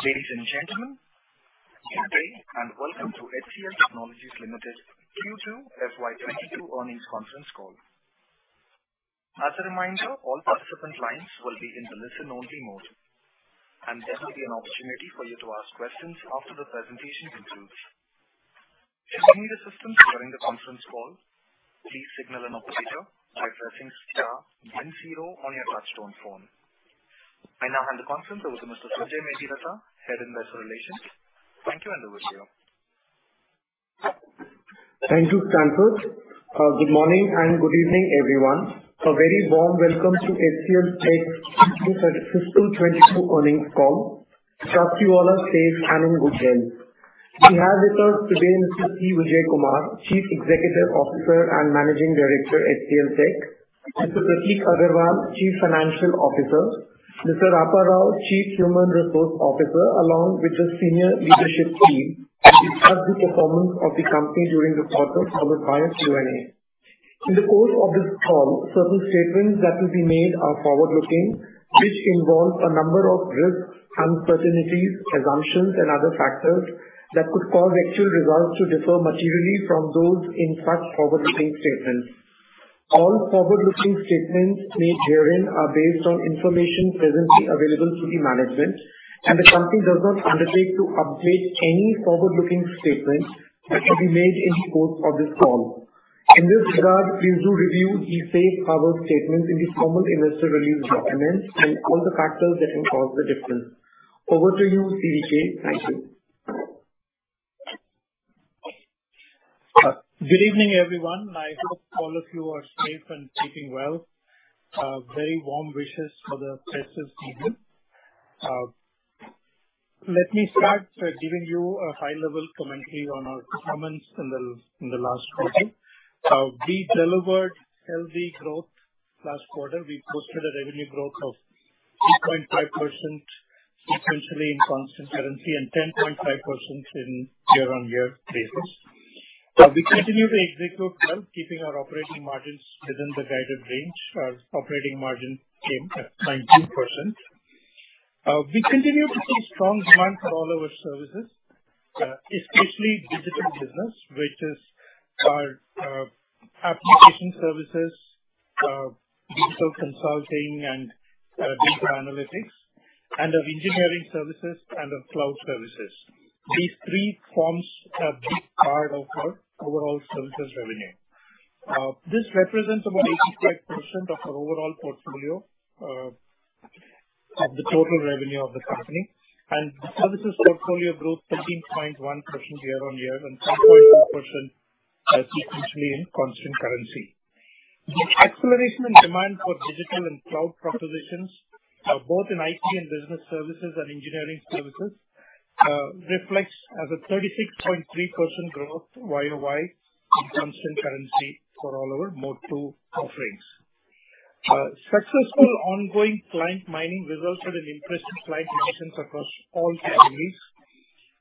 Ladies and gentlemen, good day, welcome to HCL Technologies Limited Q2 FY 2022 earnings conference call. As a reminder, all participant lines will be in the listen-only mode, and there will be an opportunity for you to ask questions after the presentation concludes. If you need assistance during the conference call, please signal an operator by pressing star then zero on your touchtone phone. I now hand the conference over to Mr. Sanjay Mendiratta, Head of Investor Relations. Thank you. Over to you. Thank you, Stanford. Good morning and good evening, everyone. A very warm welcome to HCLTech Q2 FY 2022 earnings call. We have with us today Mr. C. Vijayakumar, Chief Executive Officer and Managing Director, HCLTech; Mr. Prateek Aggarwal, Chief Financial Officer; Mr. Apparao V.V., Chief Human Resource Officer, along with the senior leadership team to discuss the performance of the company during the quarter, followed by a Q&A. In the course of this call, certain statements that will be made are forward-looking, which involve a number of risks, uncertainties, assumptions and other factors that could cause actual results to differ materially from those in such forward-looking statements. All forward-looking statements made herein are based on information presently available to the management, and the company does not undertake to update any forward-looking statements that should be made in the course of this call. In this regard, please do review the safe harbor statements in the formal investor release documents and all the factors that can cause the difference. Over to you, CVK. Thank you. Good evening, everyone. I hope all of you are safe and keeping well. A very warm wishes for the festive season. Let me start by giving you a high-level commentary on our performance in the last quarter. We delivered healthy growth last quarter. We posted a revenue growth of 3.5% sequentially in constant currency and 10.5% in year-on-year basis. We continue to execute well, keeping our operating margins within the guided range. Our operating margin came at 19%. We continue to see strong demand for all our services, especially digital business, which is our application services, digital consulting and data analytics, and our engineering services and our cloud services. These three forms a big part of our overall services revenue. This represents about 85% of our overall portfolio of the total revenue of the company, and the services portfolio growth 13.1% year-over-year and 2.1% sequentially in constant currency. The acceleration in demand for digital and cloud propositions, both in IT and Business Services and engineering services, reflects as a 36.3% growth year-over-year in constant currency for all our Mode 2 offerings. Successful ongoing client mining results in an increase in client additions across all categories.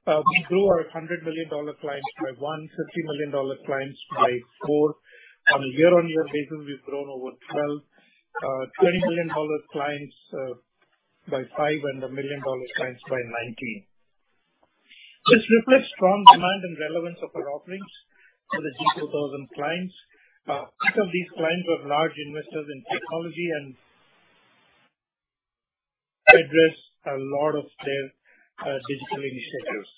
We grew our $100 million clients by one, $50 million clients by four. On a year-over-year basis, we've grown over $20 million clients by five, and $1 million clients by 19. This reflects strong demand and relevance of our offerings for the G2000 clients. Each of these clients were large investors in technology and address a lot of their digital initiatives.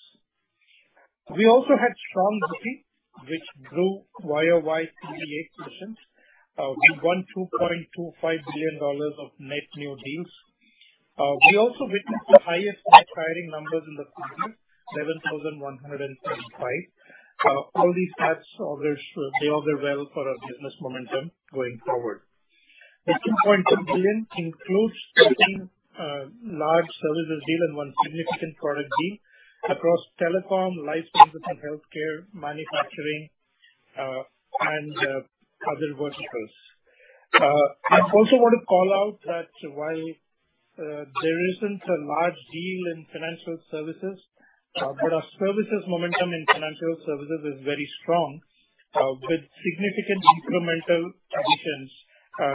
We also had strong TCV, which grew YoY 38%. We won $2.25 billion of net new deals. We also witnessed the highest net hiring numbers in the quarter, 7,135. All these stats, they augur well for our business momentum going forward. The $2.2 billion includes 13 large services deal and one significant product deal across telecom, life sciences and healthcare, manufacturing, and other verticals. I also want to call out that while there isn't a large deal in financial services, our services momentum in financial services is very strong, with significant incremental additions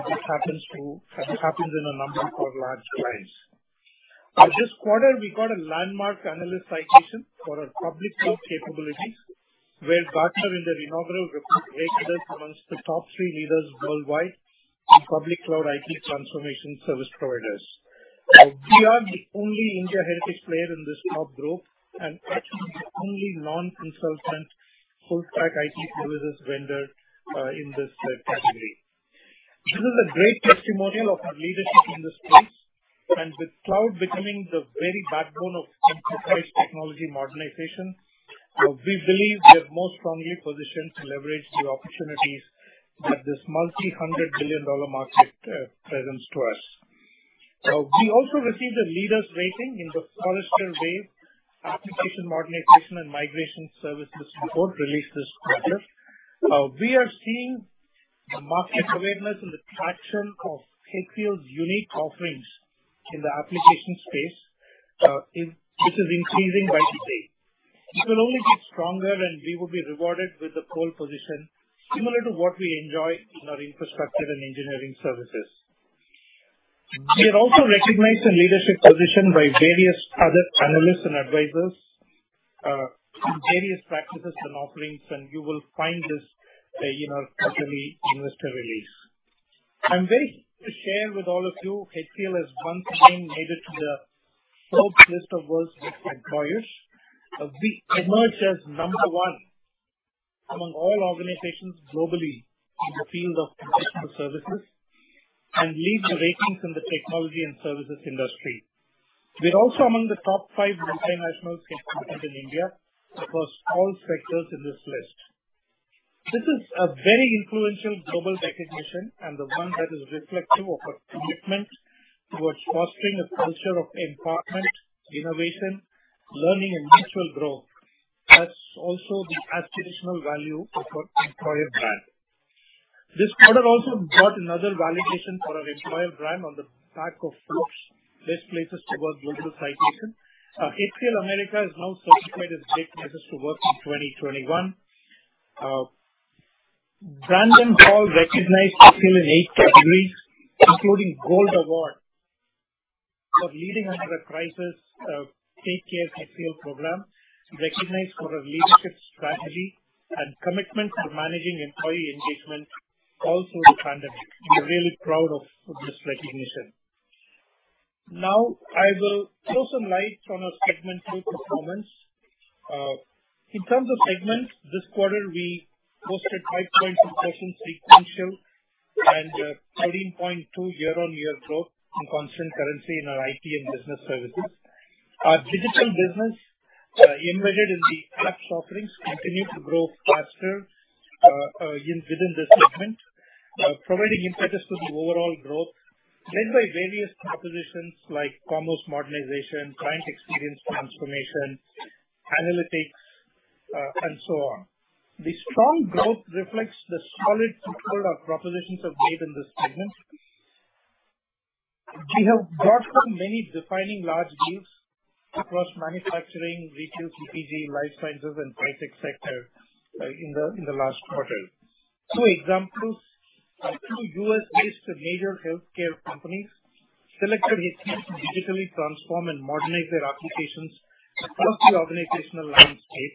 that happens in a number of our large clients. This quarter, we got a landmark analyst citation for our public cloud capabilities, where Gartner in their inaugural report ranked us amongst the top three leaders worldwide in public cloud IT transformation service providers. We are the only India heritage player in this top group and actually the only non-consultant full-stack IT services vendor in this category. This is a great testimonial of our leadership in this space, and with cloud becoming the very backbone of enterprise technology modernization, we believe we are most strongly positioned to leverage the opportunities that this multi-hundred billion dollar market presents to us. We also received a leaders rating in the Forrester Wave application modernization and migration services report released this quarter. We are seeing the market awareness and the traction of HCL's unique offerings in the application space. This is increasing by the day. It will only get stronger, and we will be rewarded with the pole position similar to what we enjoy in our infrastructure and Engineering services. We are also recognized in leadership position by various other analysts and advisers in various practices and offerings, and you will find this in our quarterly investor release. I'm very happy to share with all of you HCL has once again made it to the Forbes list of World's Best Employers. We emerged as number one among all organizations globally in the field of professional services and lead the rankings in the technology and services industry. We're also among the top five multinationals headquartered in India across all sectors in this list. This is a very influential global recognition and the one that is reflective of our commitment towards fostering a culture of empowerment, innovation, learning, and mutual growth. That's also the aspirational value of our employer brand. This quarter also brought another validation for our employer brand on the back of Forbes Best Places to Work global citation. HCL America is now certified as a Great Places to Work in 2021. Brandon Hall recognized HCL in eight categories, including Gold Award for leading under a crisis, Take Care HCL Program, recognized for our leadership strategy, and commitment to managing employee engagement, also through the pandemic. We're really proud of this recognition. Now I will throw some light on our segment two performance. In terms of segments, this quarter, we posted 5.2% sequential and 13.2% year-on-year growth in constant currency in our IT and Business Services. Our digital business, embedded in the app offerings, continued to grow faster within this segment, providing impetus to the overall growth led by various propositions like commerce modernization, client experience transformation, analytics, and so on. The strong growth reflects the solid pool of propositions we've made in this segment. We have brought home many defining large deals across manufacturing, retail, CPG, life sciences, and high-tech sector in the last quarter. Two examples. Two U.S.-based major healthcare companies selected HCL to digitally transform and modernize their applications across the organizational landscape.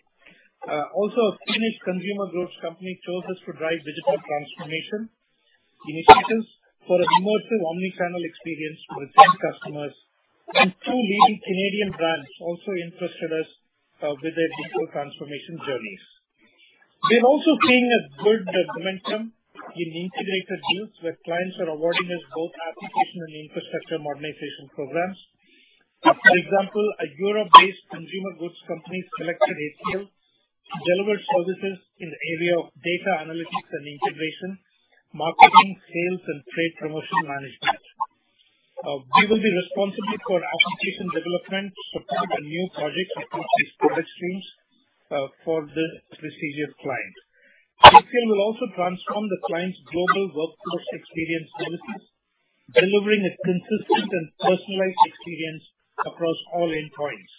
Also, a Finnish consumer goods company chose us to drive digital transformation initiatives for an immersive omnichannel experience for their customers. Two leading Canadian brands also entrusted us with their digital transformation journeys. We are also seeing a good momentum in integrated deals where clients are awarding us both application and infrastructure modernization programs. For example, a Europe-based consumer goods company selected HCL to deliver services in the area of data analytics and integration, marketing, sales, and trade promotion management. We will be responsible for application development to support the new projects across these product streams for this prestigious client. HCL will also transform the client's global workforce experience services, delivering a consistent and personalized experience across all endpoints.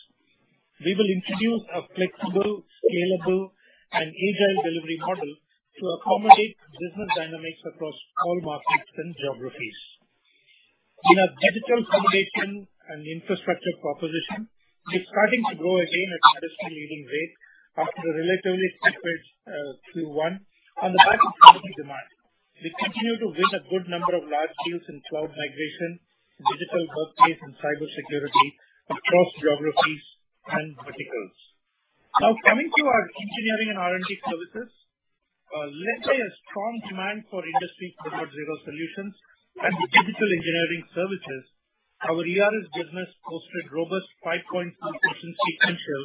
We will introduce a flexible, scalable, and agile delivery model to accommodate business dynamics across all markets and geographies. In our digital foundation and infrastructure proposition, we're starting to grow again at industry-leading rate after a relatively staggered Q1 on the back of recovery demand. We continue to win a good number of large deals in cloud migration, digital workplace, and cybersecurity across geographies and verticals. Now, coming to our Engineering and R&D Services. Led by a strong demand for industry Net Zero solutions and the digital engineering services, our ERS business posted robust 5.2% sequential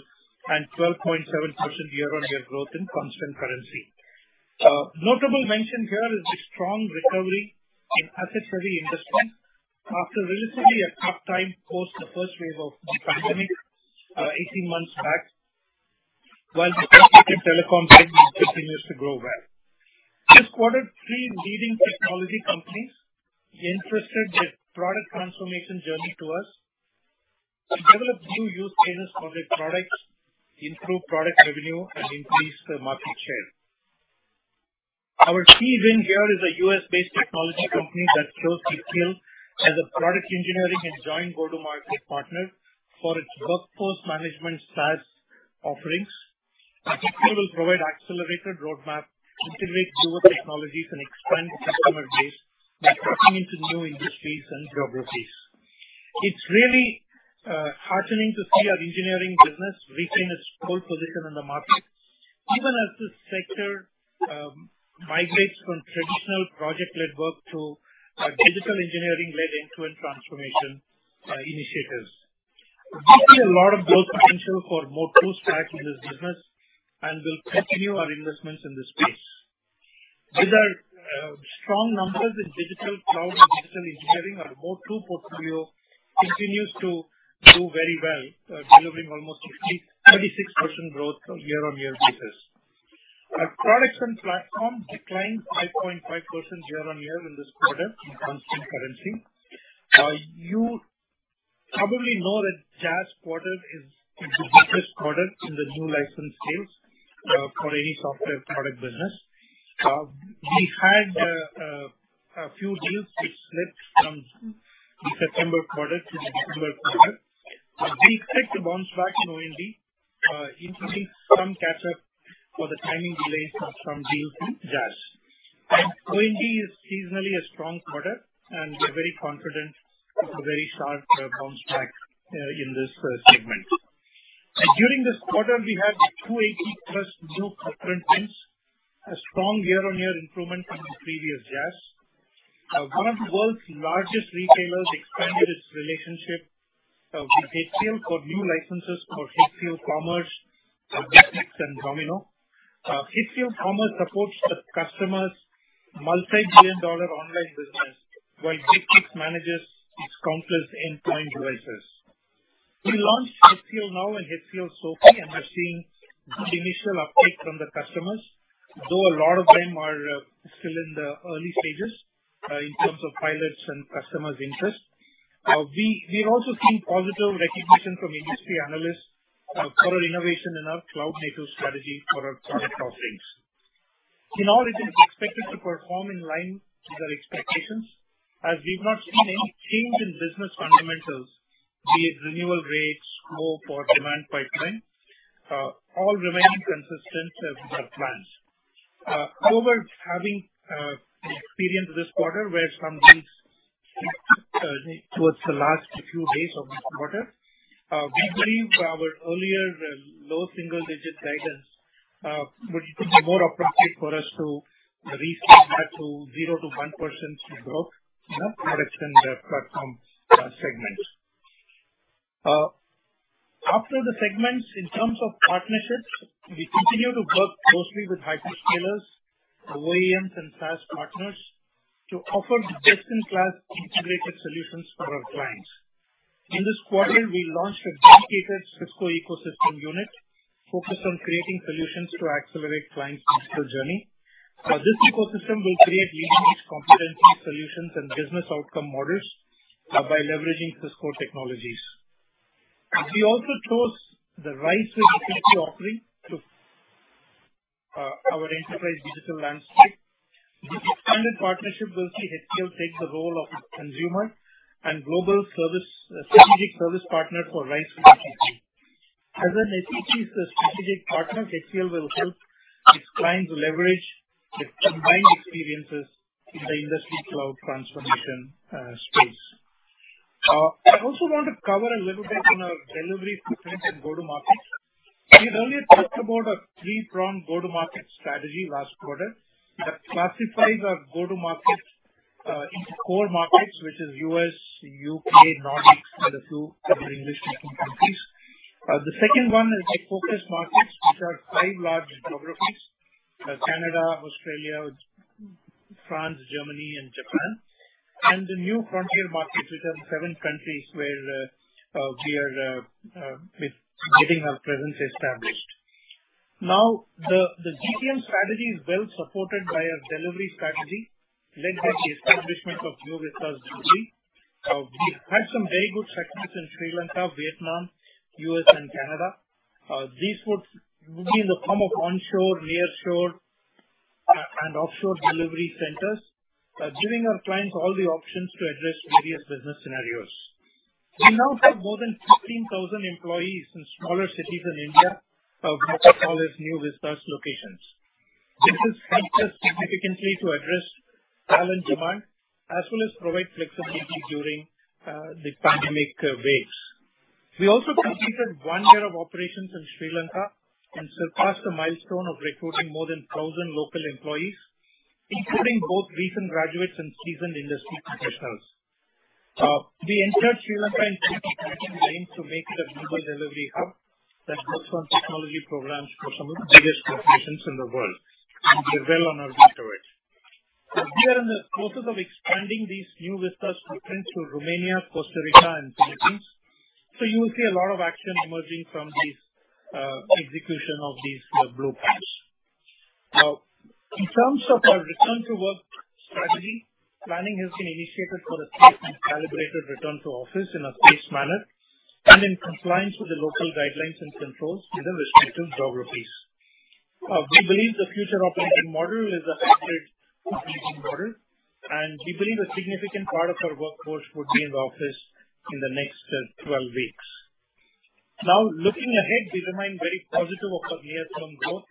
and 12.7% year-on-year growth in constant currency. Notable mention here is the strong recovery in asset-heavy industries after relatively a tough time post the first wave of the pandemic, 18 months back, while the tech and telecom segment continues to grow well. This quarter, three leading technology companies entrusted their product transformation journey to us to develop new use cases for their products, improve product revenue, and increase market share. Our key win here is a U.S.-based technology company that chose HCL as a product engineering and joint go-to-market partner for its workforce management SaaS offerings. HCL will provide accelerated roadmap, integrate newer technologies, and expand customer base by tapping into new industries and geographies. It's really heartening to see our engineering business retain its pole position in the market, even as this sector migrates from traditional project-led work to a digital engineering-led end-to-end transformation initiatives. We see a lot of growth potential for more full stack in this business, and we'll continue our investments in this space. These are strong numbers in digital cloud and digital engineering. Our Mode 2 portfolio continues to do very well, delivering almost 36% growth on year-on-year basis. Our products and platform declined 5.5% year-on-year in this quarter in constant currency. You probably know that June quarter is the biggest product in the new license sales for any software product business. We had a few deals which slipped from the September quarter to the December quarter. We expect to bounce back in OND, including some catch-up for the timing delays of some deals in June. OND is seasonally a strong quarter, and we're very confident of a very sharp bounce back in this segment. During this quarter, we had 280+ new customer wins, a strong year-on-year improvement from the previous years. One of the world's largest retailers expanded its relationship with HCL for new licenses for HCL Commerce, BigFix and Domino. HCL Commerce supports the customer's multi-billion-dollar online business while BigFix manages its countless endpoint devices. We launched HCLNow and HCL SoFy and have seen good initial uptake from the customers, though a lot of them are still in the early stages in terms of pilots and customers' interest. We've also seen positive recognition from industry analysts for our innovation and our cloud-native strategy for our product offerings. In all, it is expected to perform in line with our expectations as we've not seen any change in business fundamentals, be it renewal rates or demand pipeline. All remain consistent as per plans. However, having experienced this quarter where some deals slipped towards the last few days of this quarter, we believe our earlier low single-digit guidance, it would be more appropriate for us to restate that to 0%-1% growth in the Products & Platforms segment. After the segments, in terms of partnerships, we continue to work closely with hyperscalers, OEMs, and SaaS partners to offer best-in-class integrated solutions for our clients. In this quarter, we launched a dedicated Cisco ecosystem unit focused on creating solutions to accelerate clients' digital journey. This ecosystem will create leading-edge competency solutions and business outcome models by leveraging Cisco technologies. We also chose the RISE with SAP offering to our enterprise digital landscape. This expanded partnership will see HCL take the role of consumer and global strategic service partner for RISE with SAP. As an HCL strategic partner, HCL will help its clients leverage its combined experiences in the industry cloud transformation space. I also want to cover a little bit on our delivery footprint and go-to-markets. We had earlier talked about a three-pronged go-to-market strategy last quarter that classifies our go-to-market into core markets, which is U.S., U.K., Nordics, and a few other English-speaking countries. The second one is the focused markets, which are five large geographies, Canada, Australia, France, Germany, and Japan. The new frontier markets, which are the seven countries where we are getting our presence established. Now, the GTM strategy is well supported by a delivery strategy led by the establishment of New Vistas globally. We've had some very good success in Sri Lanka, Vietnam, U.S., and Canada. These would be in the form of onshore, nearshore, and offshore delivery centers, giving our clients all the options to address various business scenarios. We now have more than 15,000 employees in smaller cities in India, what we call as New Vistas locations. This has helped us significantly to address talent demand as well as provide flexibility during the pandemic waves. We also completed one year of operations in Sri Lanka and surpassed the milestone of recruiting more than 1,000 local employees, including both recent graduates and seasoned industry professionals. We entered Sri Lanka in 2022 with aims to make it a global delivery hub that works on technology programs for some of the biggest corporations in the world and we are well on our way to it. We are in the process of expanding these New Vistas footprints to Romania, Costa Rica, and Philippines. You will see a lot of action emerging from these execution of these blueprints. In terms of our return-to-work strategy, planning has been initiated for a safe and calibrated return to office in a phased manner and in compliance with the local guidelines and controls in the respective geographies. We believe the future operating model is a hybrid operating model, and we believe a significant part of our workforce would be in the office in the next 12 weeks. Looking ahead, we remain very positive of our near-term growth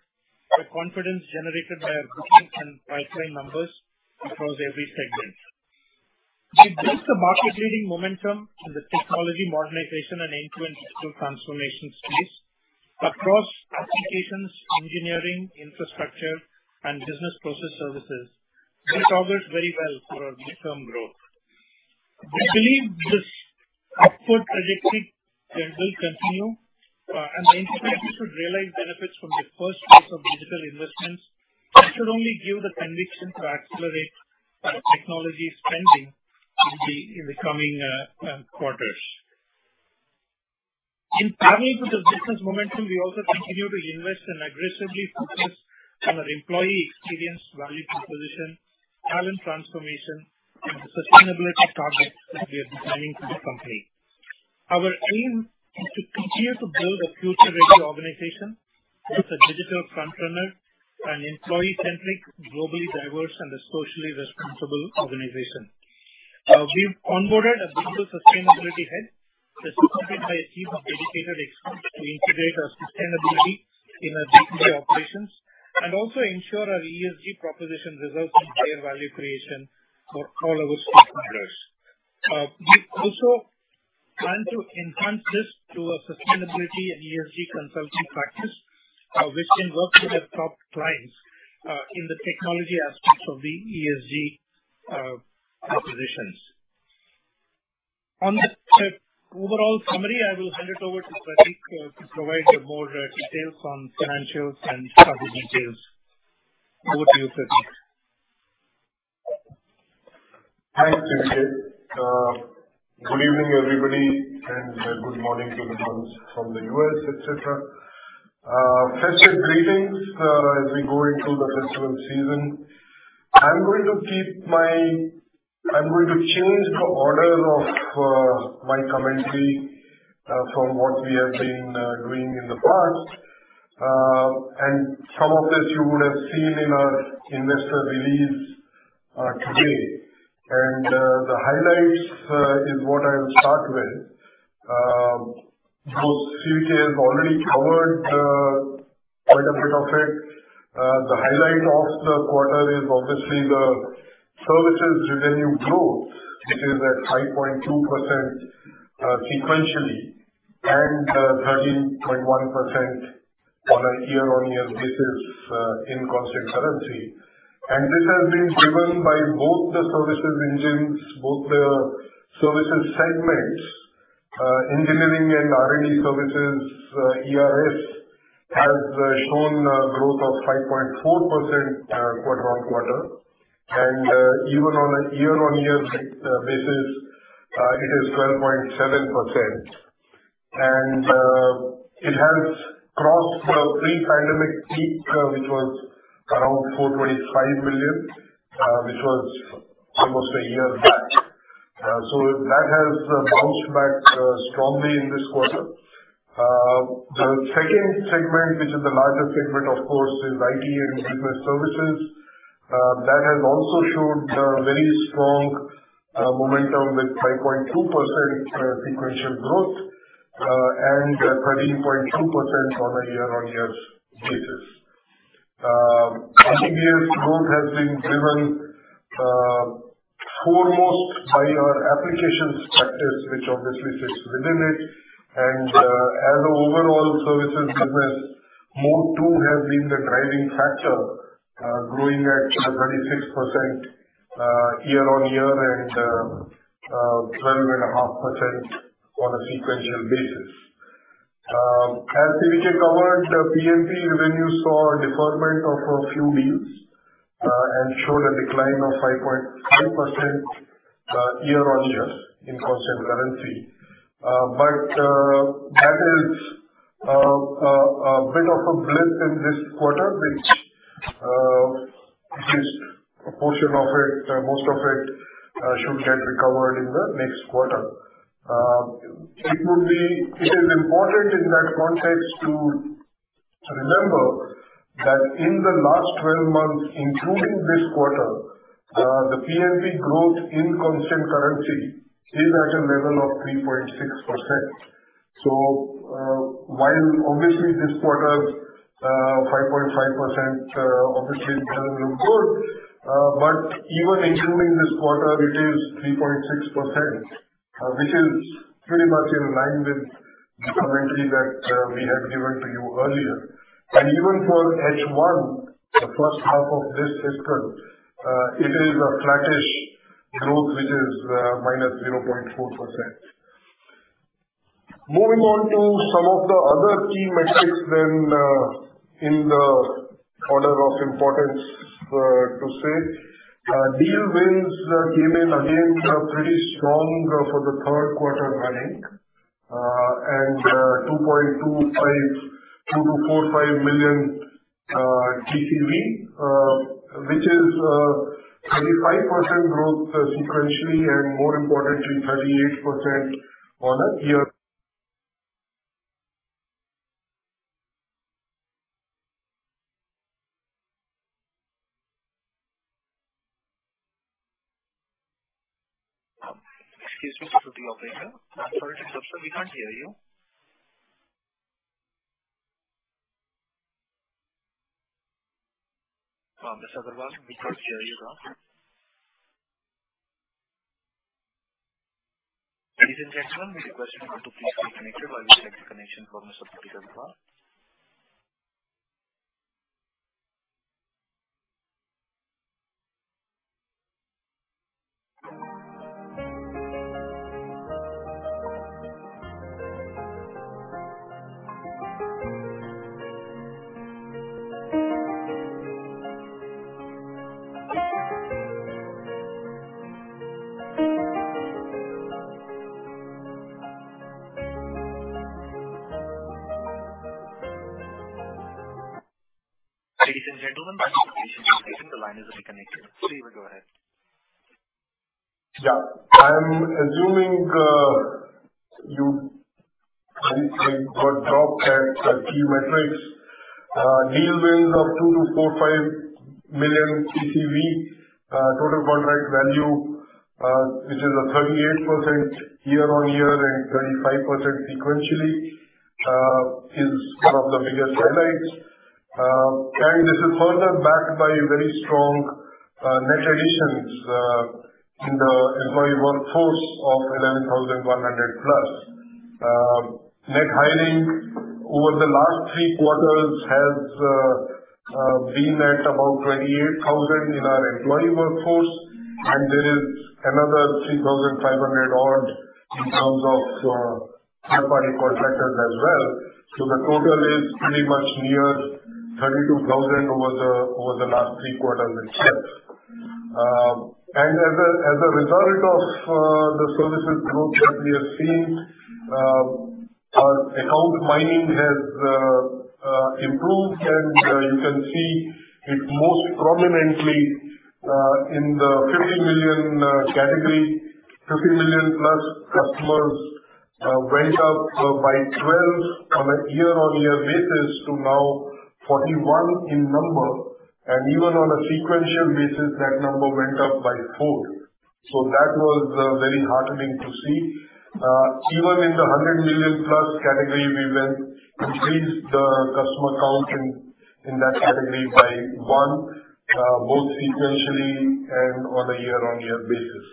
by confidence generated by our bookings and pipeline numbers across every segment. We believe the market-leading momentum in the technology modernization and end-to-end digital transformation space across applications, engineering, infrastructure, and business process services, this augurs very well for our near-term growth. We believe this upward trajectory will continue, and the enterprises should realize benefits from their first phase of digital investments, which should only give the conviction to accelerate technology spending in the coming quarters. In parallel with the business momentum, we also continue to invest and aggressively focus on our employee experience, value proposition, talent transformation, and the sustainability targets that we are designing for the company. Our aim is to continue to build a future-ready organization with a digital front runner and employee-centric, globally diverse, and a socially responsible organization. We've onboarded a digital sustainability head that's supported by a team of dedicated experts to integrate our sustainability in our day-to-day operations, and also ensure our ESG proposition results in higher value creation for all our stakeholders. We also plan to enhance this to a sustainability and ESG consulting practice, which can work with our top clients in the technology aspects of the ESG propositions. On that overall summary, I will hand it over to Prateek to provide more details on financials and other details. Over to you, Prateek. Thanks, CVK. Good evening, everybody, and good morning to the ones from the U.S., et cetera. Festive greetings as we go into the festival season. I'm going to change the order of my commentary from what we have been doing in the past. Some of this you would have seen in our investor release today. The highlights is what I'll start with. Because CVK has already covered quite a bit of it. The highlight of the quarter is obviously the services revenue growth, which is at 5.2% sequentially, and 13.1% on a year-on-year basis in constant currency. This has been driven by both the services engines, both the services segments. Engineering and R&D Services, ERS, has shown a growth of 5.4% quarter-on-quarter. Even on a year-on-year basis, it is 12.7%. It has crossed the pre-pandemic peak, which was around 425 million, which was almost a year back. That has bounced back strongly in this quarter. The second segment, which is the largest segment, of course, is IT and Business Services. That has also showed a very strong momentum with 5.2% sequential growth, and 13.2% on a year-on-year basis. ITBS growth has been driven foremost by our applications practice, which obviously sits within it. As an overall services business, Mode 2 has been the driving factor, growing at 26% year-on-year and 12.5% on a sequential basis. As CVK covered, P&P revenue saw a deferment of a few deals and showed a decline of 5.5% year-on-year in constant currency. That is a bit of a blip in this quarter, which most of it should get recovered in the next quarter. It is important in that context to remember that in the last 12 months, including this quarter, the PMP growth in constant currency is at a level of 3.6%. Even while obviously this quarter's 5.5% obviously doesn't look good, even including this quarter, it is 3.6%, which is pretty much in line with the commentary that we have given to you earlier. Even for H1, the first half of this fiscal, it is a flattish growth, which is -0.4%. Moving on to some of the other key metrics then in the order of importance to say. Deal wins came in again pretty strong for the third quarter running. 2.25 million, 2.45 million TCV, which is a 35% growth sequentially and more importantly, 38% on a year- Excuse me, Mr. Prateek. I'm sorry to interrupt sir, we can't hear you. Mr. Agarwal, we can't hear you sir. Ladies and gentlemen, we request you all to please stay connected while we check the connection for Mr. Prateek Aggarwal. Ladies and gentlemen, the line is reconnected. Sri, you may go ahead. Yeah. I'm assuming you got dropped at a few metrics. Deal wins of 2 million-4.5 million TCV, total contract value, which is a 38% year-on-year and 25% sequentially, is one of the biggest highlights. This is further backed by very strong net additions in the employee workforce of 11,100+. Net hiring over the last three quarters has been at about 28,000 in our employee workforce, and there is another 3,500 odd in terms of third-party contractors as well. The total is pretty much near 32,000 over the last three quarters itself. As a result of the services growth that we are seeing, our account mining has improved, and you can see it most prominently in the 50 million category. 50 million+ customers went up by 12 on a year-on-year basis to now 41 in number. Even on a sequential basis, that number went up by four. That was very heartening to see. Even in the 100 million plus category, we increased the customer count in that category by one, both sequentially and on a year-on-year basis.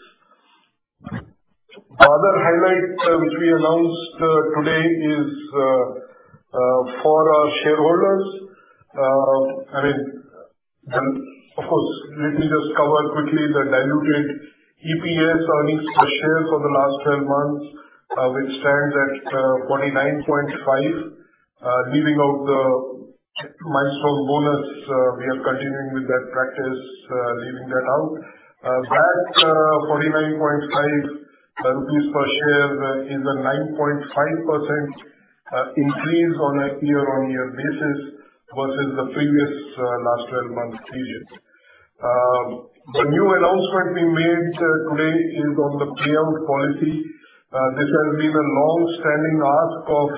The other highlight which we announced today is for our shareholders. Of course, let me just cover quickly the diluted EPS earnings per share for the last 12 months, which stands at INR 49.5, leaving out the milestone bonus. We are continuing with that practice, leaving that out. That 49.5 rupees per share is a 9.5% increase on a year-on-year basis versus the previous last 12-month period. The new announcement we made today is on the payout policy. This has been a longstanding ask of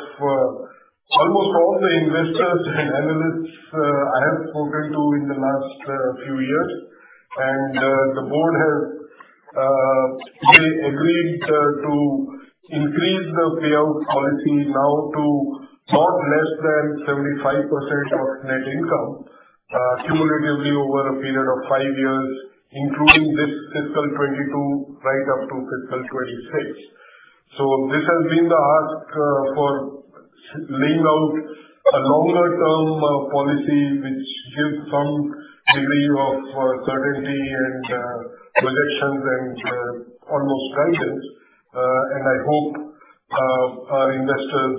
almost all the investors and analysts I have spoken to in the last few years. The board has today agreed to increase the payout policy now to not less than 75% of net income cumulatively over a period of five years, including this fiscal 2022 right up to fiscal 2026. This has been the ask for laying out a longer-term policy which gives some degree of certainty and direction and almost guidance. I hope our investors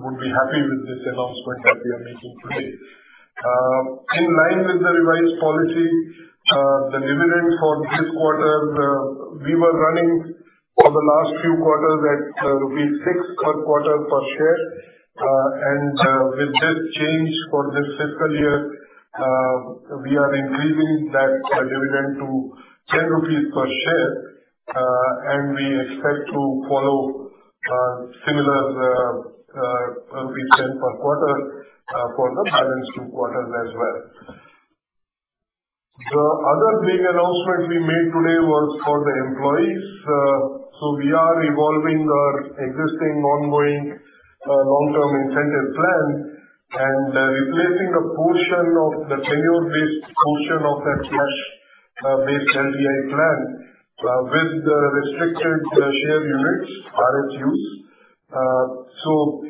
would be happy with this announcement that we are making today. In line with the revised policy, the dividend for this quarter, we were running for the last few quarters at rupees 6 per quarter per share. With this change for this fiscal year, we are increasing that dividend to 10 rupees per share, and we expect to follow a similar INR 10 per quarter for the balance two quarters as well. The other big announcement we made today was for the employees. We are evolving our existing ongoing long-term incentive plan and replacing the tenure-based portion of that cash-based LTI plan with restricted share units, RSUs.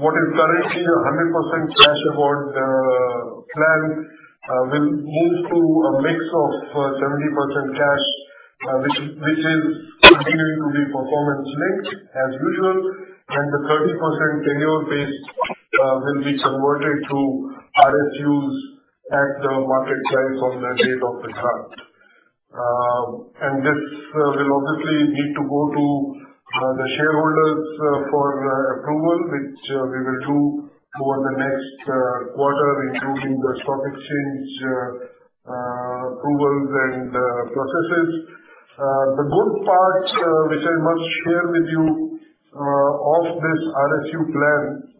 What is currently 100% cash award plan will move to a mix of 70% cash, which is continuing to be performance-linked as usual, and the 30% tenure-based will be converted to RSUs at the market price on the date of the grant. This will obviously need to go to the shareholders for approval, which we will do over the next quarter, including the stock exchange approvals and processes. The good part, which I must share with you of this RSU plan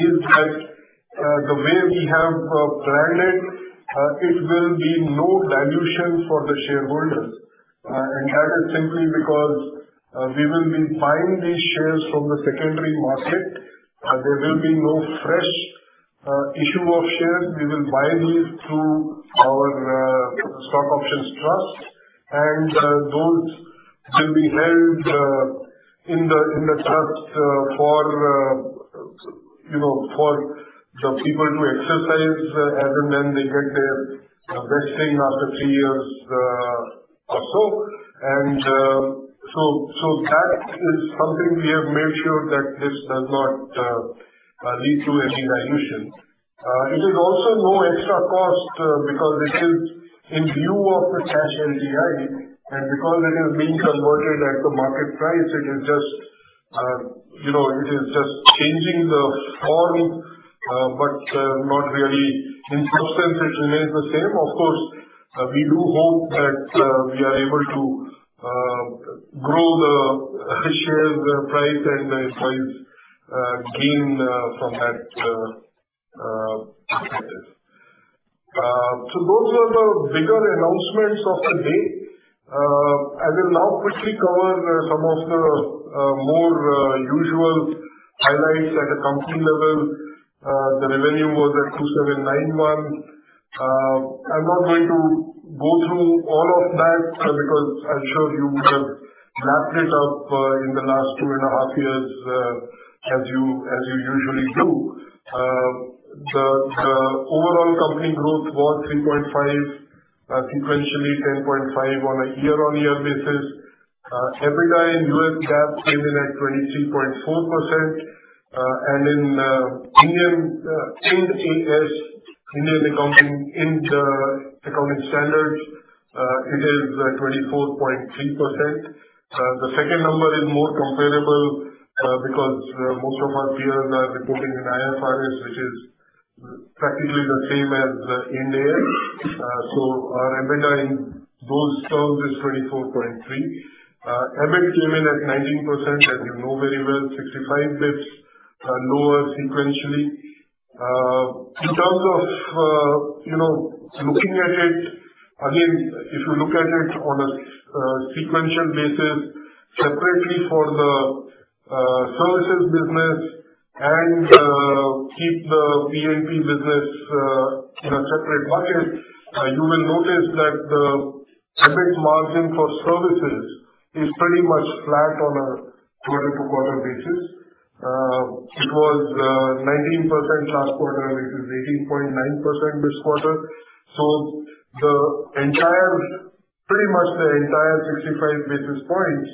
is that the way we have planned it will be no dilution for the shareholder. That is simply because we will be buying these shares from the secondary market. There will be no fresh issue of shares. We will buy these through our stock options trust, and those will be held in the trust for the people to exercise as and when they get their vesting after three years or so. That is something we have made sure that this does not lead to any dilution. It is also no extra cost because it is in lieu of the cash LTI and because it is being converted at the market price. It is just changing the form, but not really in substance it remains the same. Of course, we do hope that we are able to grow the share price and thereby gain from that perspective. Those were the bigger announcements of the day. I will now quickly cover some of the more usual highlights at a company level. The revenue was at $2,791. I'm not going to go through all of that because I'm sure you would have lapped it up in the last 2.5 years as you usually do. The overall company growth was 3.5% sequentially, 10.5% on a year-on-year basis. EBITDA in US GAAP came in at 23.4% and in IND-AS, Indian accounting, IND accounting standards, it is 24.3%. The second number is more comparable because most of our peers are reporting in IFRS, which is practically the same as IND-AS. Our EBITDA in those terms is 24.3%. EBIT came in at 19% as you know very well, 65 basis points lower sequentially. In terms of looking at it, again, if you look at it on a sequential basis separately for the services business and keep the P&P business in a separate bucket. You will notice that the EBIT margin for services is pretty much flat on a quarter-to-quarter basis. It was 19% last quarter. It is 18.9% this quarter. Pretty much the entire 65 basis points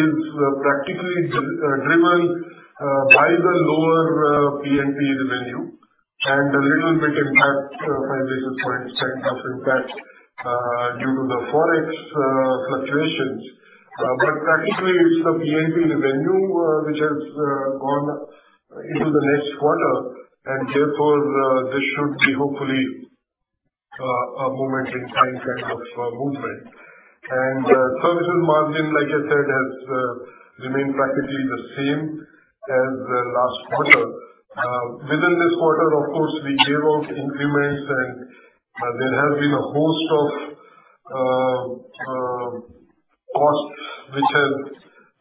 is practically driven by the lower P&P revenue and a little bit impact, 5 basis points type of impact due to the Forex fluctuations. Practically it's the P&P revenue which has gone into the next quarter and therefore this should be hopefully a moment in time kind of movement. Services margin, like I said, has remained practically the same as last quarter. Within this quarter, of course, we gave out increments and there have been a host of costs which have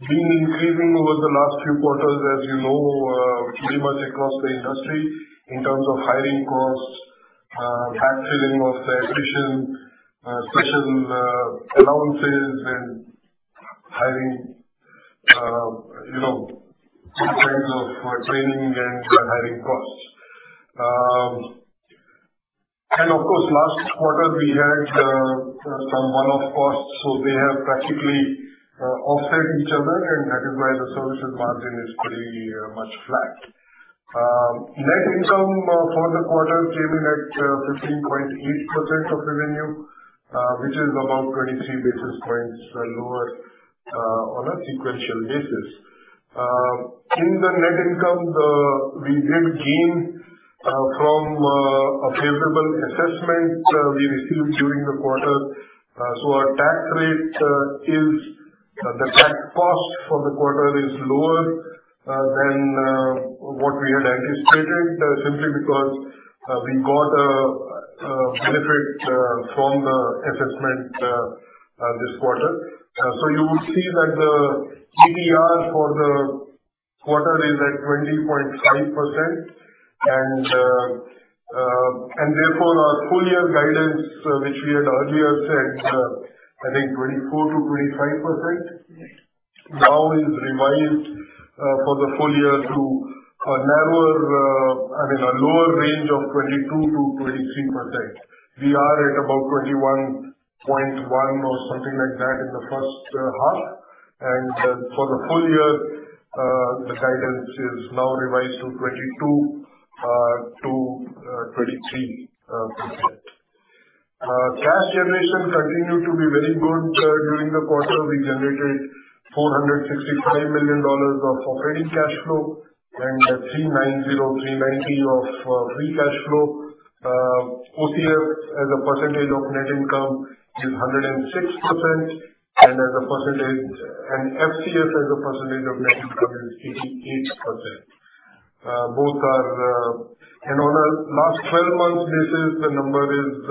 been increasing over the last few quarters, you know, pretty much across the industry in terms of hiring costs, backfilling of the attrition, special allowances and hiring, different kinds of training and hiring costs. Of course last quarter we had some one-off costs. They have practically offset each other and that is why the solution margin is pretty much flat. Net income for the quarter came in at 15.8% of revenue, which is about 23 basis points lower on a sequential basis. In the net income, we did gain from a favorable assessment we received during the quarter. Our tax cost for the quarter is lower than what we had anticipated simply because we got a benefit from the assessment this quarter. You would see that the ETR for the quarter is at 20.5% and therefore our full year guidance which we had earlier said I think 24%-25% now is revised for the full year to a narrower, I mean a lower range of 22%-23%. We are at about 21.1% or something like that in the first half. For the full year, the guidance is now revised to 22%-23%. Cash generation continued to be very good during the quarter. We generated $465 million of operating cash flow and $390 of free cash flow. OCF as a percentage of net income is 106% and FCF as a percentage of net income is 88%. On a last 12 months basis, the number is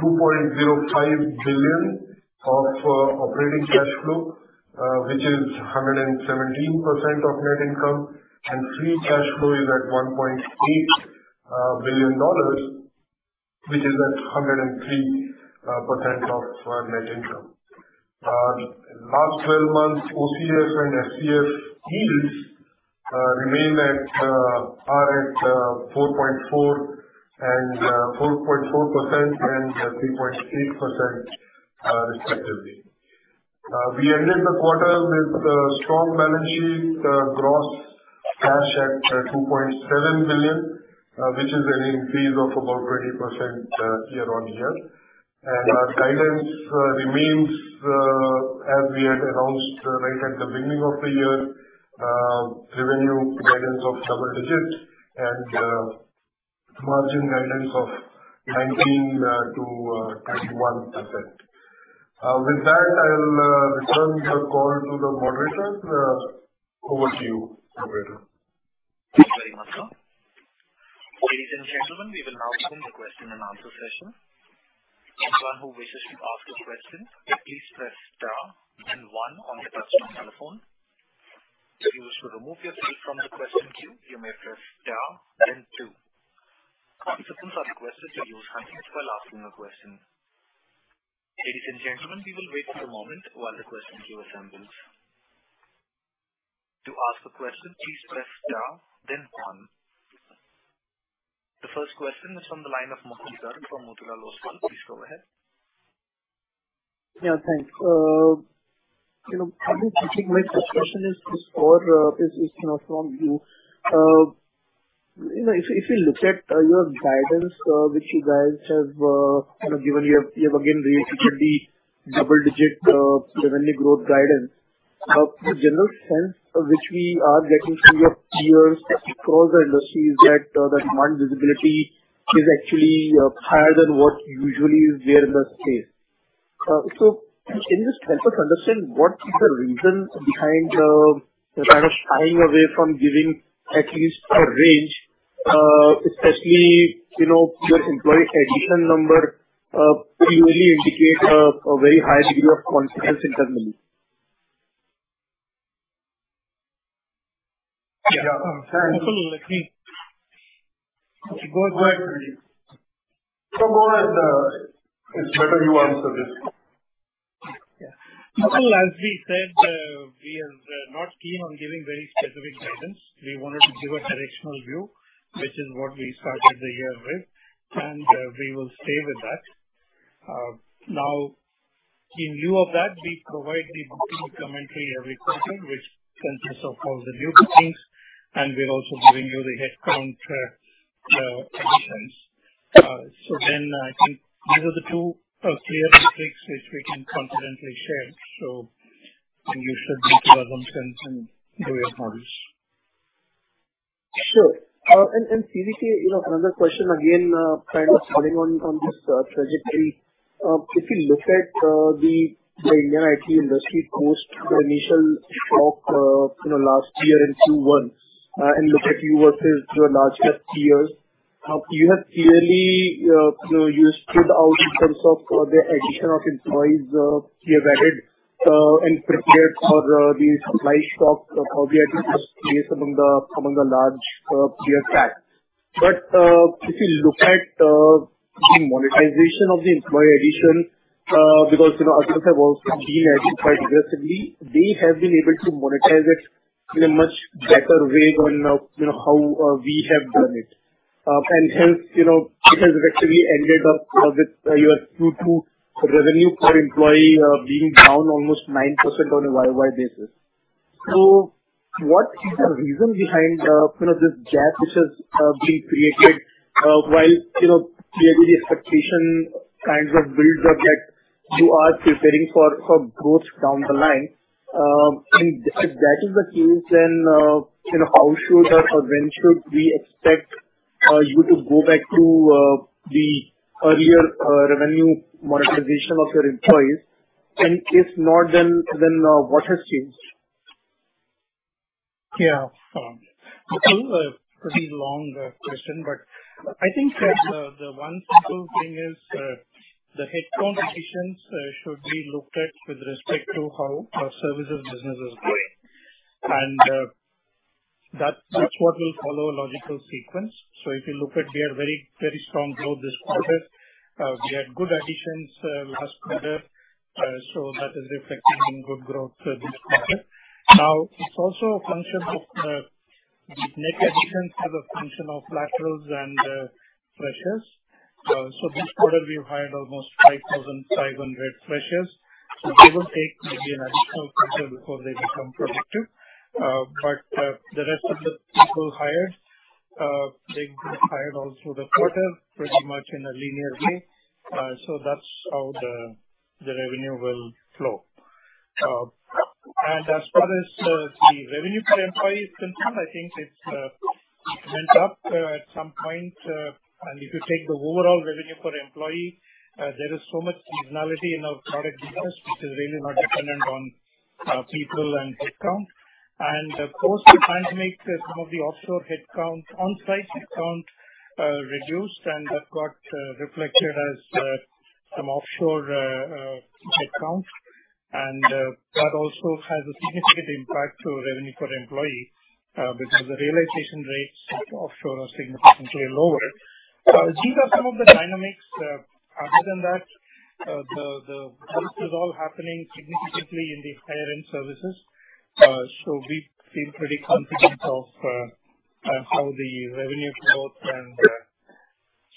$2.05 billion of operating cash flow, which is 117% of net income and free cash flow is at $1.8 billion, which is at 103% of net income. Last 12 months OCF and FCF yields remain at 4.4% and 3.6% respectively. We ended the quarter with a strong balance sheet, gross cash at $2.7 billion, which is an increase of about 20% year-on-year. Our guidance remains as we had announced right at the beginning of the year, revenue guidance of double digits and margin guidance of 19%-21%. With that, I'll return the call to the moderator. Over to you, moderator. Thank you very much, sir. Ladies and gentlemen, we will now open the question and answer session. Anyone who wishes to ask a question, please press star then one on your touchtone telephone. If you wish to remove yourself from the question queue, you may press star then two. Please withhold all questions until someone is well asking a question. Ladies and gentlemen, we will wait for a moment while the question queue assembles. To ask a question, please press star then one. The first question is from the line of Mukul Garg from Motilal Oswal. Please go ahead. Yeah, thanks. I think my first question is for Vijayakumar from you. If you look at your guidance, which you guys have given, you have again reiterated the double-digit revenue growth guidance. The general sense which we are getting from your peers across the industry is that the demand visibility is actually higher than what usually is there in the space. Can you just help us understand what is the reason behind kind of shying away from giving at least a range, especially your employee addition number clearly indicates a very high degree of confidence internally. Yeah. Mukul. Go ahead, Prateek. It's better you answer this. Yeah. Mukul, as we said, we are not keen on giving very specific guidance. We wanted to give a directional view, which is what we started the year with, and we will stay with that. In lieu of that, we provide the booking commentary every quarter, which consists of all the new bookings, and we're also giving you the headcount additions. I think these are the 2 clear metrics which we can confidently share. You should make your assumptions and do your models. Sure. Seriously, another question again, kind of following on from this trajectory. If you look at the Indian IT industry post the initial shock from last year in Q1 and look at you versus your largest peers, you stood out in terms of the addition of employees you have added and prepared for the supply shock obviously placed among the large peer set. If you look at the monetization of the employee addition, because others have also been adding quite aggressively. They have been able to monetize it in a much better way than how we have done it. Hence, it has effectively ended up with your Q2 revenue per employee being down almost 9% on a year-over-year basis. What is the reason behind this gap which has been created? While clearly the expectation kinds of builds are that you are preparing for growth down the line. If that is the case, how should or when should we expect you to go back to the earlier revenue monetization of your employees? If not, what has changed? Yeah. Mukul, pretty long question, but I think that the one simple thing is the headcount additions should be looked at with respect to how our services business is doing. That's what will follow a logical sequence. If you look at we had very strong growth this quarter. We had good additions last quarter, that is reflecting in good growth this quarter. The net additions as a function of laterals and freshers. This quarter, we've hired almost 5,500 freshers. They will take maybe an additional quarter before they become productive. The rest of the people hired, they've been hired all through the quarter, pretty much in a linear way. That's how the revenue will flow. As far as the revenue per employee is concerned, I think it went up at some point. If you take the overall revenue per employee, there is so much seasonality in our product business, which is really not dependent on people and headcount. Of course, we're trying to make some of the offshore onsite headcount reduced, and that got reflected as some offshore headcounts. That also has a significant impact to revenue per employee, because the realization rates offshore are significantly lower. These are some of the dynamics. Other than that. The boost is happening significantly in the higher-end services. We feel pretty confident of how the revenue growth and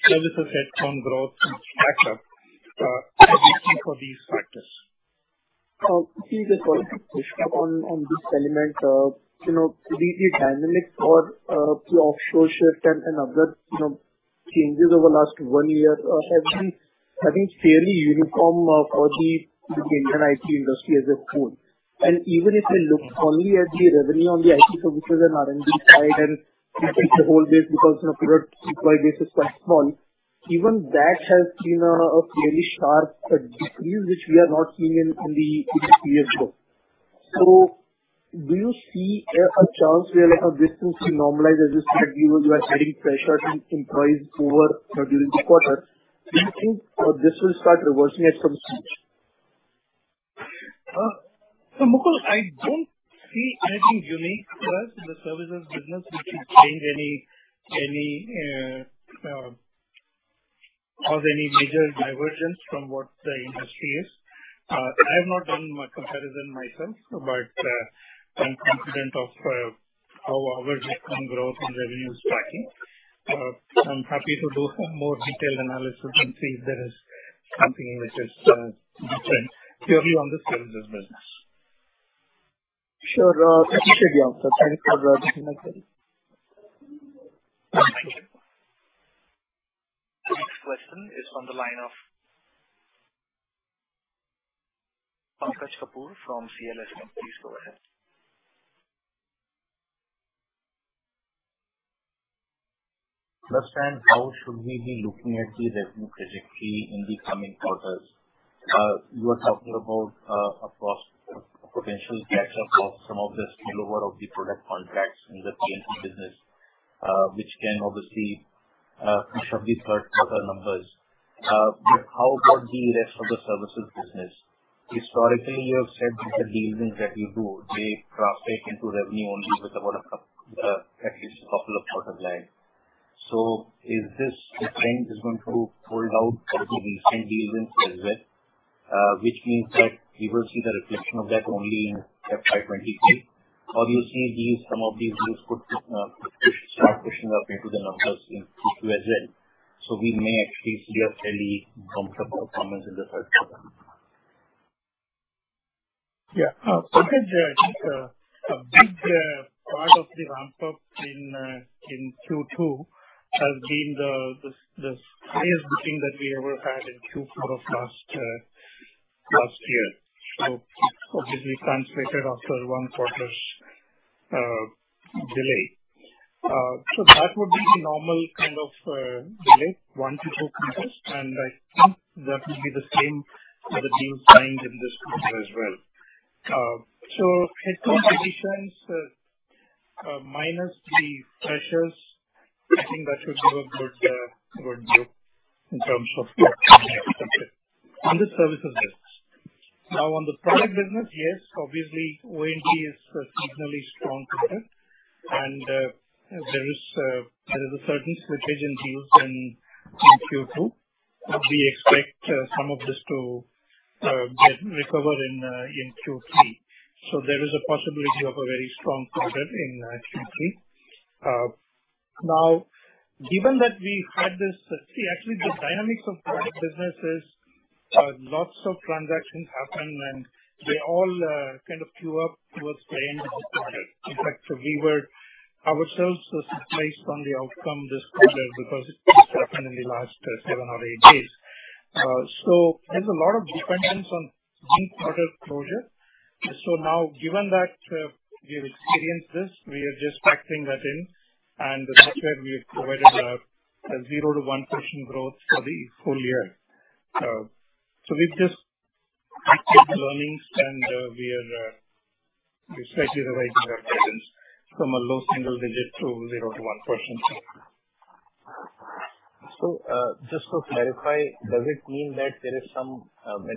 services head count growth match up, especially for these factors. Just a quick question on this element. The dynamics for offshore shift and other changes over the last one year have been fairly uniform for the Indian IT industry as a whole. Even if we look only at the revenue on the IT services and R&D side, and we take the whole base because product employee base is quite small, even that has been a fairly sharp decrease, which we have not seen in the previous year. Do you see a chance where this will normalize, as you said, you are adding pressure to employees over during the quarter. Do you think this will start reversing at some stage? Mukul, I don't see anything unique with the services business which would change any cause, any major divergence from what the industry is. I have not done my comparison myself, but I'm confident of how our discount growth and revenue is tracking. I'm happy to do some more detailed analysis and see if there is something which is different purely on the services business. Sure. That should be all, sir. Thank you for answering my query. Thank you. The next question is on the line of Pankaj Kapoor from CLSA Companies. Go ahead. Pankaj, how should we be looking at the revenue trajectory in the coming quarters? You are talking about a potential catch-up of some of the spillover of the product contracts in the P&P business, which can obviously push up the third quarter numbers. How about the rest of the services business? Historically, you have said that the deals that you do, they translate into revenue only at least a couple of quarters lag. Is this trend going to hold out for the recent deals as well? Which means that we will see the reflection of that only in FY 2023. You see some of these deals start pushing up into the numbers in Q2 as well. We may actually see a fairly comfortable performance in the third quarter. Pankaj, I think a big part of the ramp-up in Q2 has been the highest booking that we ever had in Q4 of last year. It obviously translated after one quarter's delay. That would be the normal kind of delay, one to two quarters, and I think that will be the same for the deals signed in this quarter as well. Head count additions minus the pressures, I think that should give a good view in terms of what can be expected on the services business. On the product business, yes, obviously, P&P is a seasonally strong quarter, and there is a certain switch agency used in Q2. We expect some of this to recover in Q3. There is a possibility of a very strong quarter in Q3. Actually, the dynamics of product business is lots of transactions happen, and they all kind of queue up towards the end of the quarter. In fact, ourselves we were surprised on the outcome this quarter because it happened in the last seven or eight days. There's a lot of dependence on one quarter closure. Now given that we've experienced this, we are just factoring that in, and that's where we have provided a 0%-1% growth for the full year. We've just taken the learnings, and we are respectively revising our guidance from a low single digit to 0%-1%. Just to clarify, does it mean that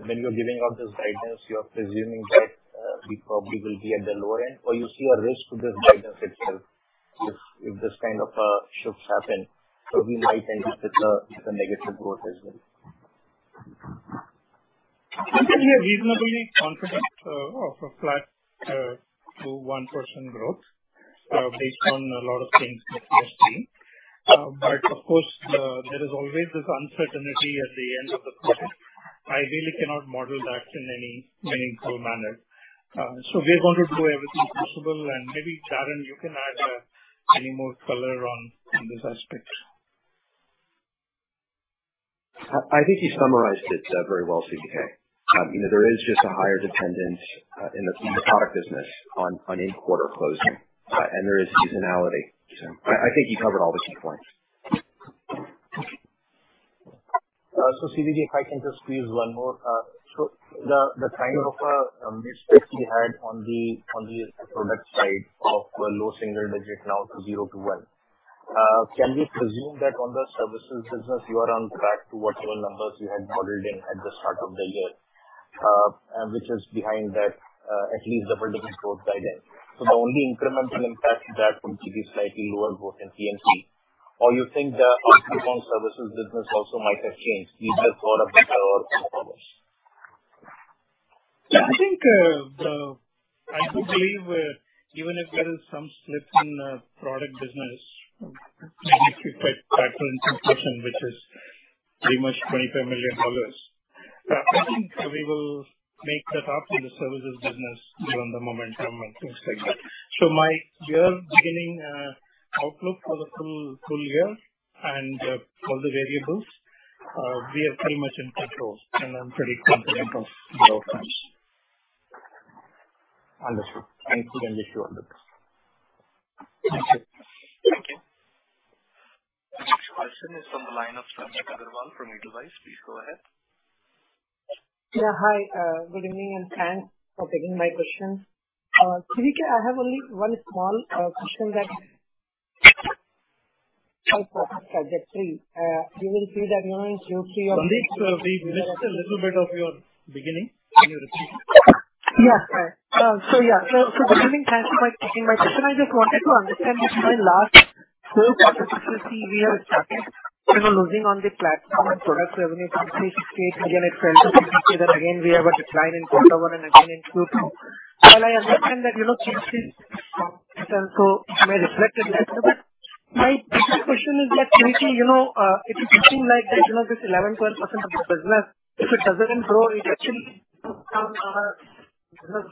when you're giving out this guidance, you're presuming that we probably will be at the lower end, or you see a risk to this guidance itself, if this kind of shifts happen, so we might end up with a negative growth as well? Pankaj, we are reasonably confident of a flat to 1% growth based on a lot of things that we are seeing. Of course, there is always this uncertainty at the end of the quarter. I really cannot model that in any meaningful manner. We're going to do everything possible, and maybe, Darren, you can add any more color on this aspect. I think you summarized it very well, CVK. There is just a higher dependence in the product business on a quarter closing. There is seasonality. I think you covered all the key points. CVK, if I can just squeeze one more. The kind of a misstep you had on the product side of a low single digit now to zero to one. Can we presume that on the services business you are on track to whatever numbers you had modeled in at the start of the year, which is behind that, at least the double-digit guidance? The only incremental impact that would give you slightly lower growth in P&P, or you think the outcome from services business also might have changed, either for better or for worse? I think, I do believe even if there is some slip in product business, maybe a few % factor in consumption, which is pretty much INR 25 million. I think we will make that up in the services business given the momentum and things like that. My year beginning outlook for the full year and for the variables, we are pretty much in control and I'm pretty confident of the outcomes. Understood. Thank you. Thank you. Next question is from the line of Sandip Agarwal from Edelweiss. Please go ahead. Yeah. Hi. Good evening, and thanks for taking my question. CVK, I have only one small question that. Sandip, we missed a little bit of your beginning. Can you repeat? Yeah, sorry. Good evening. Thanks for taking my question. I just wanted to understand this. My last two quarters, you see we are stuck. We were losing on the platform and product revenue from 68. Again, it fell to 60. Again, we have a decline in quarter one and again in Q2. While I understand that changes from quarter to may reflect it less. My bigger question is that, CVK, it is looking like that this 11%, 12% of the business, if it doesn't grow, it actually took some of our business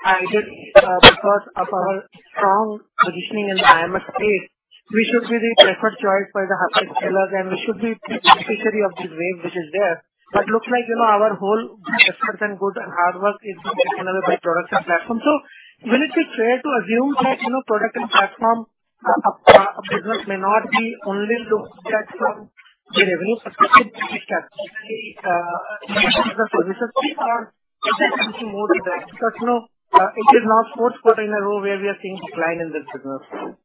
growth by 1% or 2% and at least for as because of our strong positioning in the IMS space, we should be the preferred choice for the hyperscalers and we should be the beneficiary of this wave which is there. Look like our whole efforts and good hard work is being taken away by Products and Platform. Will it be fair to assume that Product and Platform business may not be only looked at from the revenue perspective, but we start looking it from the services fee or is there something more than that? It is now fourth quarter in a row where we are seeing decline in this business.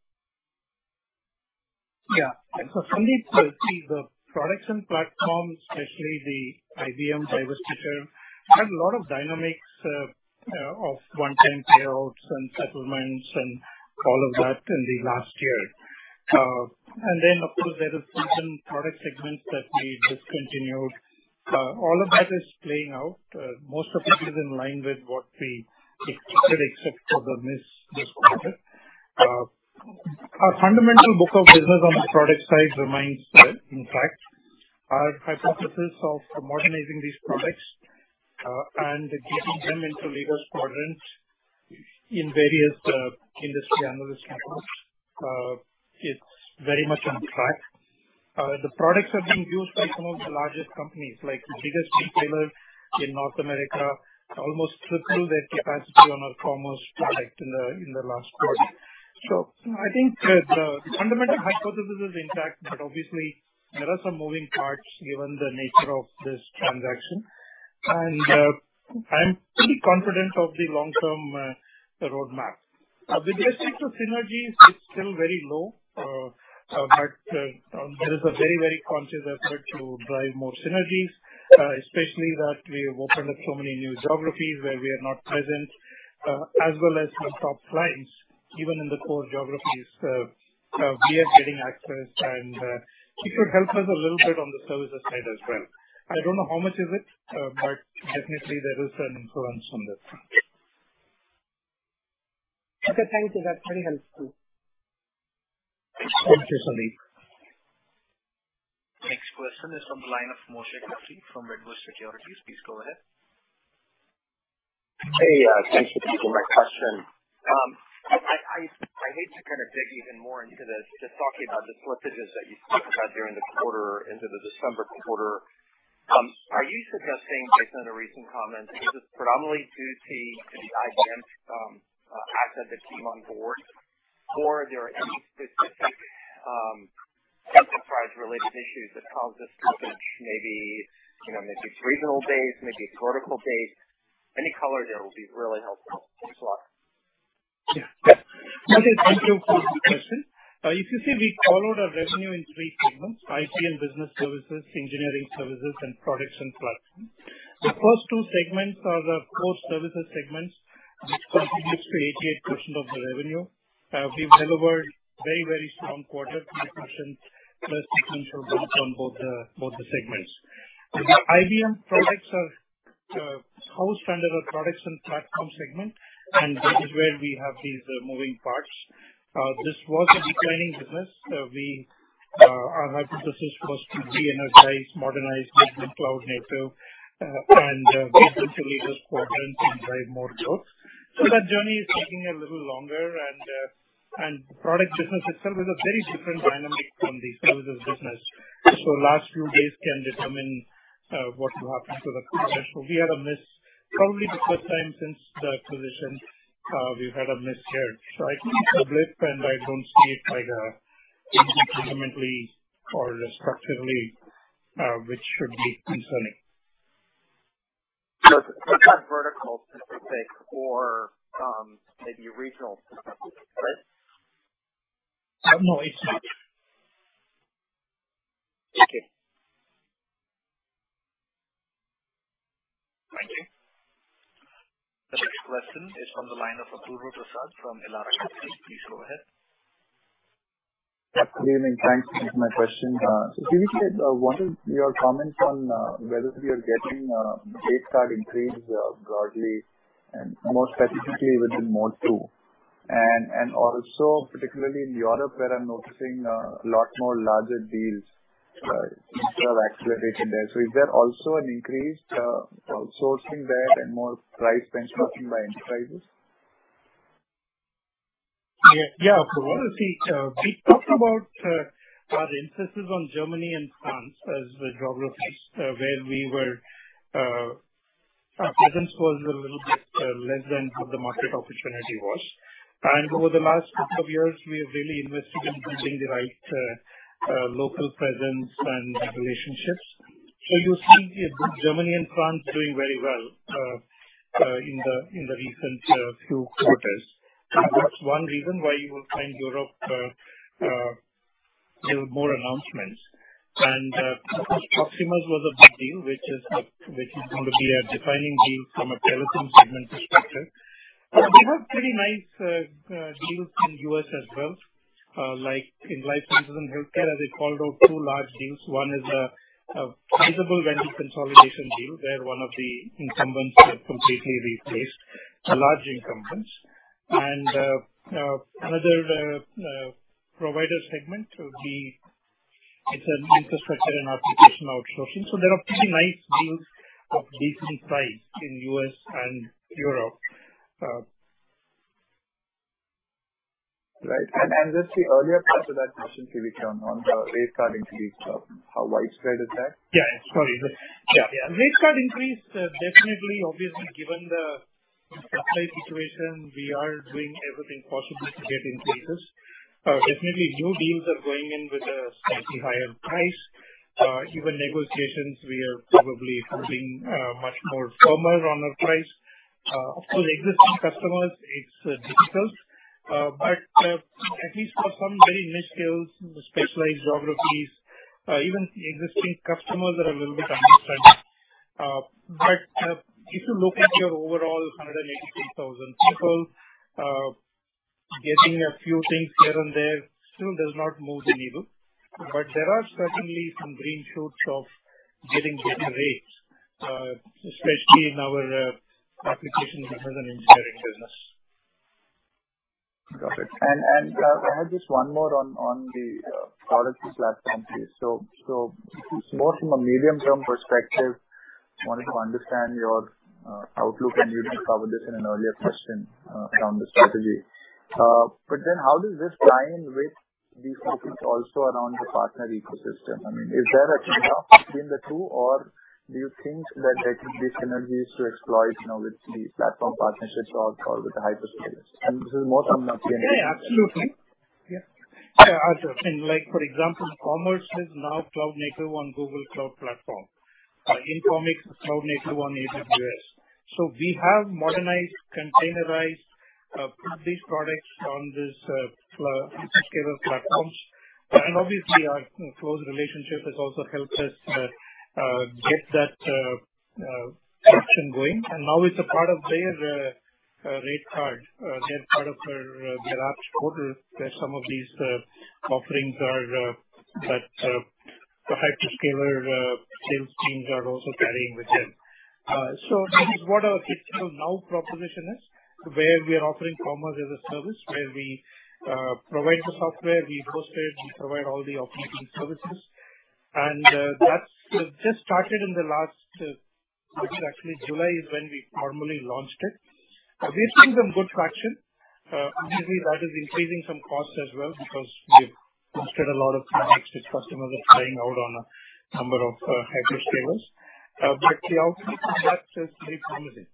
Sandip, see the Products and Platforms, especially the IBM divestiture, had a lot of dynamics of one-time payouts and settlements and all of that in the last year. Of course, there are certain product segments that we discontinued. All of that is playing out. Most of it is in line with what we expected except for the miss this quarter. Our fundamental book of business on the product side remains intact. Our hypothesis of modernizing these products and getting them into leaders quadrant in various industry analyst papers is very much on track. The products are being used by some of the largest companies, like the biggest retailer in North America, almost tripled their capacity on our Commerce product in the last quarter. I think the fundamental hypothesis is intact, but obviously there are some moving parts given the nature of this transaction. I'm pretty confident of the long-term roadmap. The question of synergies is still very low. There is a very conscious effort to drive more synergies, especially that we have opened up so many new geographies where we are not present, as well as some top clients, even in the core geographies, we are getting access. It should help us a little bit on the services side as well. I don't know how much is it. Definitely there is an influence on this. Okay, thank you. That's very helpful. Thank you, Sandip. Next question is from the line of Moshe Katri from Wedbush Securities. Please go ahead. Hey, thanks for taking my question. I hate to kind of dig even more into this, just talking about the slippages that you talked about during the quarter into the December quarter. Are you suggesting, based on the recent comments, this is predominantly due to the IBM assets that came on board? Are there any specific enterprise-related issues that caused this slippage, maybe regional-based, maybe vertical-based? Any color there will be really helpful. Thanks a lot. Moshe, thank you for the question. If you see, we followed our revenue in three segments: IT and Business Services, Engineering Services, and Products and Platforms. The first two segments are the core services segments, which contributes to 88% of the revenue. We've delivered very strong quarter-to-quarter segments for growth on both the segments. The IBM products are house branded our Products and Platforms segment, that is where we have these moving parts. This was a declining business. Our hypothesis was to re-energize, modernize, make them cloud-native, and get into leaders quadrant and drive more growth. That journey is taking a little longer, the Products business itself is a very different dynamic from the services business. Last few days can determine what will happen to the quarter. We had a miss probably the first time since the acquisition. We've had a miss here. I think it's a blip, and I don't see it like a fundamentally or structurally, which should be concerning. More specific or maybe regional specific. No, it's Okay. Thank you. The next question is on the line of Apurva Prasad from Elara Capital. Please go ahead. Good evening. Thanks. This is my question. CVK, wanted your comments on whether we are getting rate card increase broadly and more specifically within Mode 2, and also particularly in Europe, where I'm noticing a lot more larger deals after acceleration there. Is there also an increase outsourcing there and more price benchmarking by enterprises? Yeah. We talked about our emphasis on Germany and France as geographies where our presence was a little bit less than what the market opportunity was. Over the last couple of years, we have really invested in building the right local presence and relationships. You see Germany and France doing very well in the recent few quarters. That's one reason why you will find Europe give more announcements. Of course, Proximus was a big deal, which is going to be a defining deal from a telecom segment perspective. We have pretty nice deals in U.S. as well, like in life sciences and healthcare, as I called out two large deals. One is a sizable vendor consolidation deal where one of the incumbents got completely replaced, large incumbents. Another provider segment will be infrastructure and application outsourcing. There are pretty nice deals of decent size in U.S. and Europe. Right. Just the earlier part of that question, CVK, on the rate card increase, how widespread is that? Yeah, sorry. Yeah. Rate card increase, definitely, obviously, given the supply situation, we are doing everything possible to get increases. Definitely, new deals are going in with a slightly higher price. Even negotiations, we are probably being much more firmer on our price. Of course, existing customers, it's difficult. At least for some very niche skills, specialized geographies, even existing customers are a little bit understanding. If you look at your overall 183,000 people, getting a few things here and there still does not move the needle. There are certainly some green shoots of getting better rates, especially in our applications because of engineering business. Got it. I have just one more on the Products & Platforms, please. More from a medium-term perspective, wanted to understand your outlook, you may have covered this in an earlier question from the strategy. How does this tie in with these topics also around the partner ecosystem? Is there a trade-off between the two, do you think that there could be synergies to exploit now with the platform partnerships or with the hyperscalers? This is more from a- Yeah, absolutely. Yeah. Like, for example, Commerce is now cloud-native on Google Cloud Platform. Okay. Unica is cloud-native on AWS. We have modernized, containerized, put these products on these hyperscaler platforms. Obviously, our close relationship has also helped us get that traction going. Now it's a part of their rate card. They're part of their last quarter where some of these offerings are that the hyperscaler sales teams are also carrying with them. This is what our HCL Now proposition is, where we are offering commerce as a service, where we provide the software, we host it, we provide all the operating services. That's just started in the last, actually July is when we formally launched it. We're seeing some good traction. Obviously, that is increasing some costs as well because we've hosted a lot of products which customers are trying out on a number of hyperscalers. The outcome from that is very promising.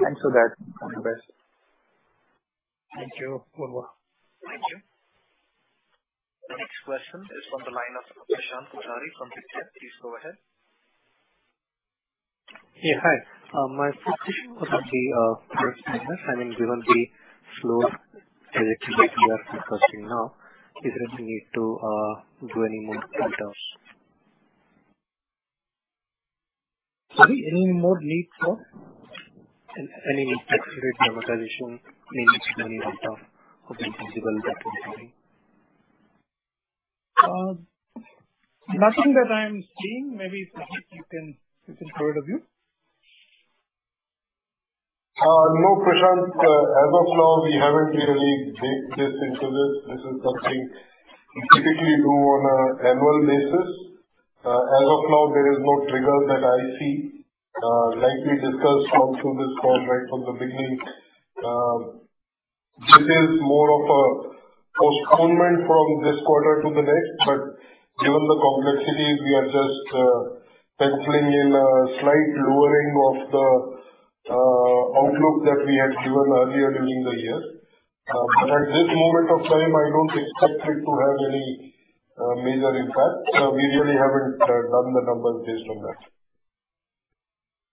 Thanks for that. All the best. Thank you. Apurva. Thank you. The next question is from the line of Prashant Kothari from Pictet. Please go ahead. Yeah, hi. My first question was on the Products & Platforms. I mean, given the slow direction we are progressing now, is there any need to do any more write-offs? Sorry, any more need for? Any tax rate amortization, mainly spending write-off of the invisible debt reporting. Nothing that I'm seeing. Maybe, Prateek, you can put in point of view. No, Prashant. As of now, we haven't really baked this into this. This is something we typically do on an annual basis. As of now, there is no trigger that I see. Like we discussed all through this call right from the beginning, this is more of a postponement from this quarter to the next. Given the complexities, we are just penciling in a slight lowering of the outlook that we had given earlier during the year. At this moment of time, I don't expect it to have any major impact. We really haven't done the numbers based on that.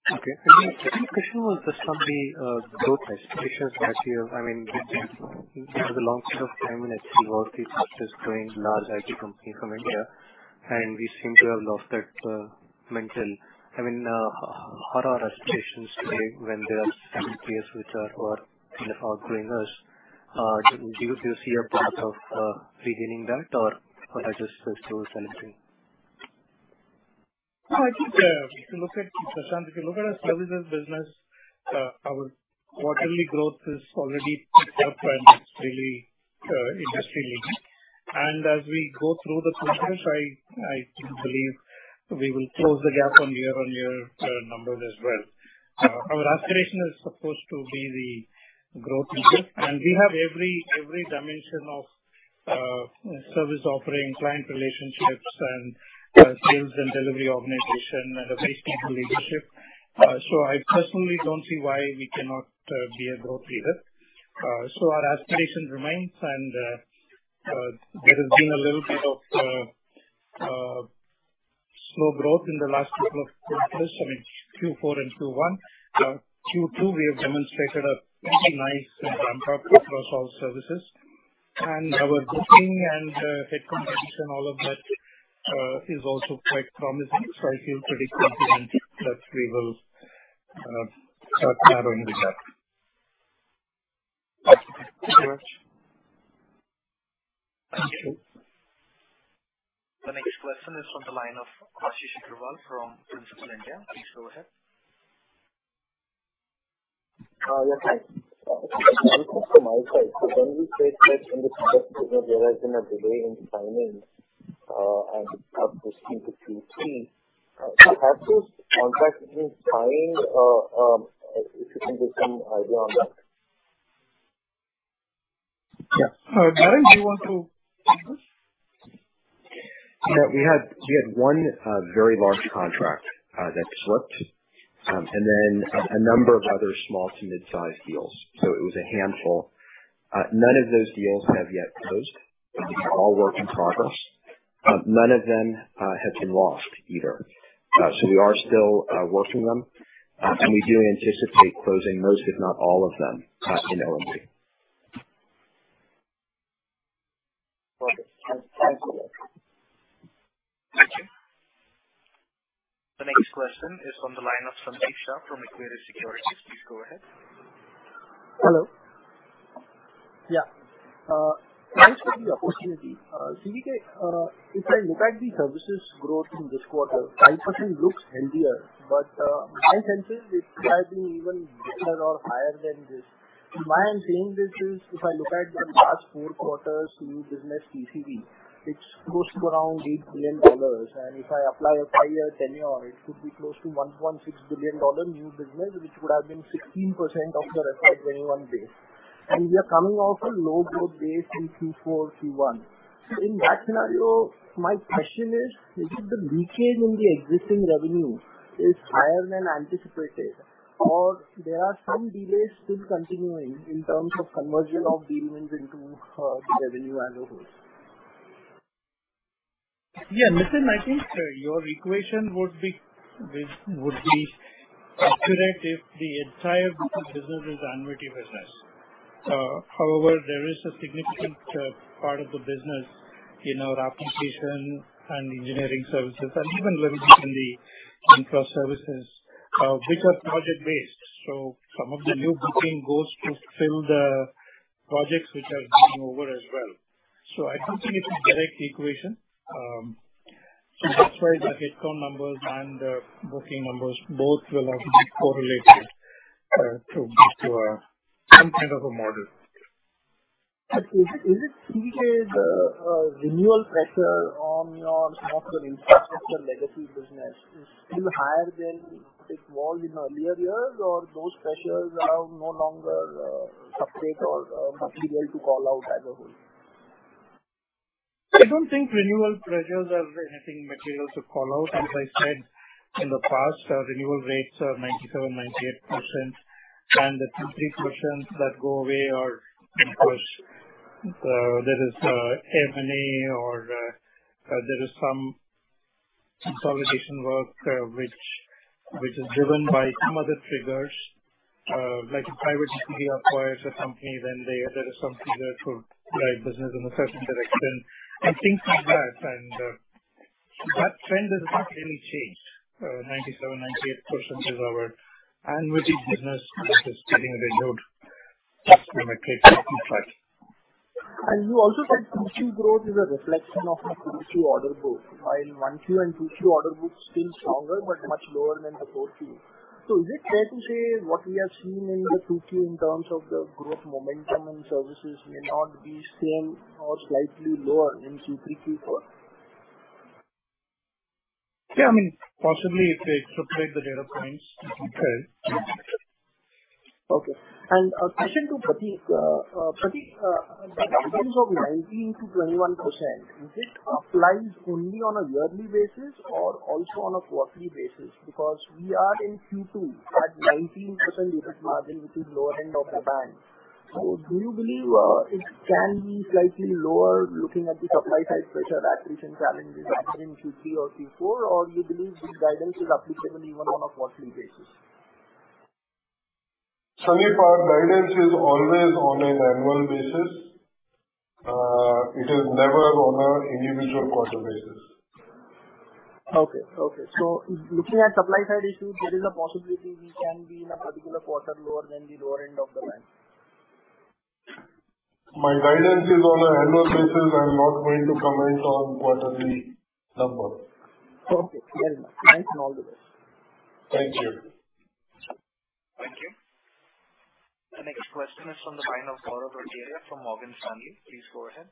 Okay. My second question was just on the growth expectations that you have. Over the long period of time HCL Technologies has been a large IT company from India, and we seem to have lost that mantle. What are our expectations today when there are certain peers which are outgrowing us? Do you see a path of regaining that, or has this just stalled something? No, I think, Prashant, if you look at our services business, our quarterly growth is already picked up and it's really industry leading. As we go through the quarters, I believe we will close the gap on year-on-year numbers as well. Our aspiration is supposed to be the growth leader, and we have every dimension of service offerings, client relationships, and sales and delivery organization, and a great team of leadership. I personally don't see why we cannot be a growth leader. Our aspiration remains, and there has been a little bit of slow growth in the last couple of quarters, I mean Q4 and Q1. Q2, we have demonstrated a pretty nice ramp-up across all services, and our booking and head count addition, all of that is also quite promising. I feel pretty confident that we will start narrowing the gap. Okay. Thank you very much. Thank you. The next question is from the line of Ashish Aggarwal from Principal India. Please go ahead. Yes, hi. One question my side. When we said that in the contracts business there has been a delay in signing and pushing to Q3, have those contracts been signed? If you can give some idea on that. Yeah. Darren, do you want to take this? Yeah. We had one very large contract that slipped, and then a number of other small to mid-size deals. It was a handful. None of those deals have yet closed. These are all work in progress. None of them have been lost either. We are still working them. We do anticipate closing most, if not all of them, in Q3. Perfect. Thank you. Thank you. The next question is from the line of Sandeep Shah from Equirus Securities. Please go ahead. Hello. Yeah. Thanks for the opportunity. CVK, if I look at the services growth in this quarter, 5% looks healthier, my sense is it could have been even better or higher than this. Why I'm saying this is if I look at the last four quarters new business TCV, it's close to around $8 billion. If I apply a five-year tenure, it could be close to $1.6 billion new business, which would have been 16% of the revenue base. We are coming off a low growth base in Q4, Q1. In that scenario, my question is it the leakage in the existing revenue is higher than anticipated, or there are some delays still continuing in terms of conversion of deals into the revenue annualize? Listen, I think your equation would be accurate if the entire business is annuity business. There is a significant part of the business in our application and engineering services, and even a little bit in the infra services, which are project-based. Some of the new booking goes to fill the projects which are rolling over as well. I don't think it's a direct equation. That's why the headcount numbers and the booking numbers both will have to be correlated to some kind of a model. Is it stated renewal pressure on some of your infrastructure legacy business is higher than it was in earlier years, or those pressures are no longer upstate or material to call out as a whole? I don't think renewal pressures are anything material to call out. As I said, in the past, renewal rates are 97%-98%. The 2%-3% that go away are because there is M&A or there is some consolidation work which is driven by some other triggers. Like if I were to acquire a company, then there is some trigger to drive business in a certain direction and things like that. That trend has not really changed. 97%-98% is our annuity business, which is getting renewed every quarter. You also said Q2 growth is a reflection of the Q2 order book, while Q1 and Q2 order books seem stronger but much lower than the Q4. Is it fair to say what we have seen in the Q2 in terms of the growth momentum and services may not be same or slightly lower in Q3, Q4? Yeah, possibly if they extrapolate the data points, it could. Okay. A question to Prateek. Prateek, the guidance of 19%-21%, is it applied only on a yearly basis or also on a quarterly basis? Because we are in Q2 at 19% EBIT margin, which is lower end of the band. So do you believe it can be slightly lower looking at the supply side pressure that recent challenges happened in Q3 or Q4, or do you believe this guidance is applicable even on a quarterly basis? Sandeep, our guidance is always on an annual basis. It is never on an individual quarter basis. Okay. Looking at supply side issues, there is a possibility we can be in a particular quarter lower than the lower end of the band. My guidance is on an annual basis. I'm not going to comment on quarterly numbers. Okay. Fair enough. Thanks, and all the best. Thank you. Thank you. The next question is from the line of Gaurav Rateria from Morgan Stanley. Please go ahead.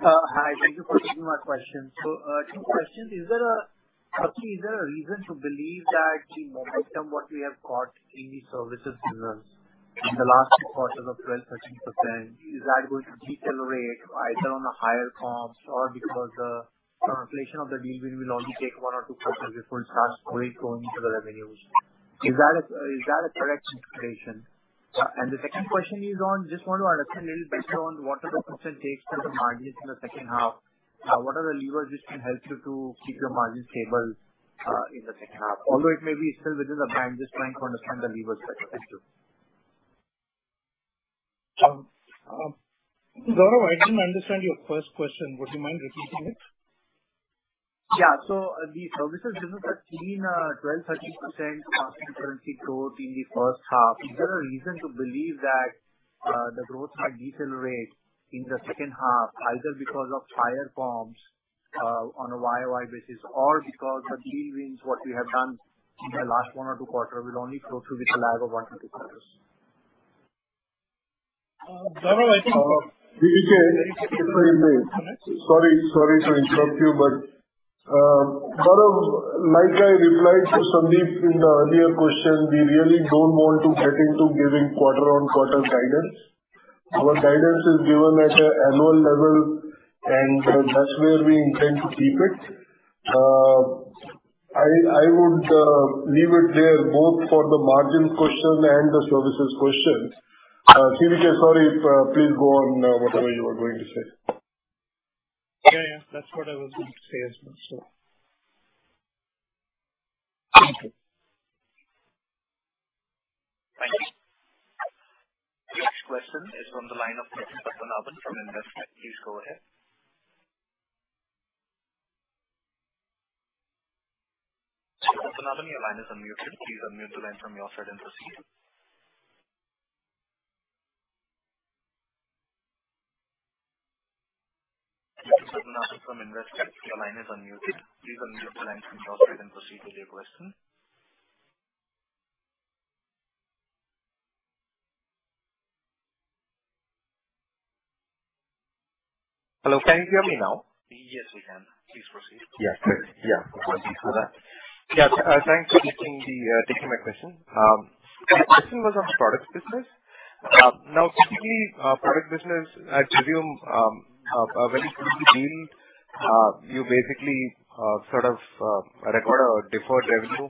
Hi. Thank you for taking my question. Two questions. Firstly, is there a reason to believe that the momentum what we have got in the services business in the last two quarters of 12%, 13%, is that going to decelerate either on the higher comps or because the completion of the deal win will only take one or two quarters before it starts flowing into the revenues? Is that a correct interpretation? The second question is on, just want to understand a little better on what are the potential risks to the margins in the second half. What are the levers which can help you to keep your margins stable in the second half? Although it may be still within the band, just trying to understand the levers better. Thank you. Gaurav, I didn't understand your first question. Would you mind repeating it? Yeah. The services business has seen 12%, 13% constant currency growth in the first half. Is there a reason to believe that the growth might decelerate in the second half either because of higher comps on a YoY basis or because the deal wins what we have done in the last one or two quarters will only flow through with a lag of one or two quarters? Gaurav, CVK, sorry to interrupt you, but Gaurav, like I replied to Sandeep in the earlier question, we really don't want to get into giving quarter-on-quarter guidance. Our guidance is given at an annual level, and that's where we intend to keep it. I would leave it there both for the margin question and the services question. CVK, sorry, please go on whatever you were going to say. Yeah. That's what I was going to say as well, so. Thank you. Thank you. The next question is from the line of Nitin Padmanabhan from Investec. Please go ahead. Nitin, your line is unmuted. Please unmute the line from your side and proceed. Mr. Nitin Padmanabhan from Investec, your line is unmuted. Please unmute your line from your side and proceed with your question. Hello, can you hear me now? Yes, we can. Please proceed. Thanks for that. Thanks for taking my question. My question was on the Products business. Typically, Products business, I assume, when you sign a deal, you basically sort of record a deferred revenue,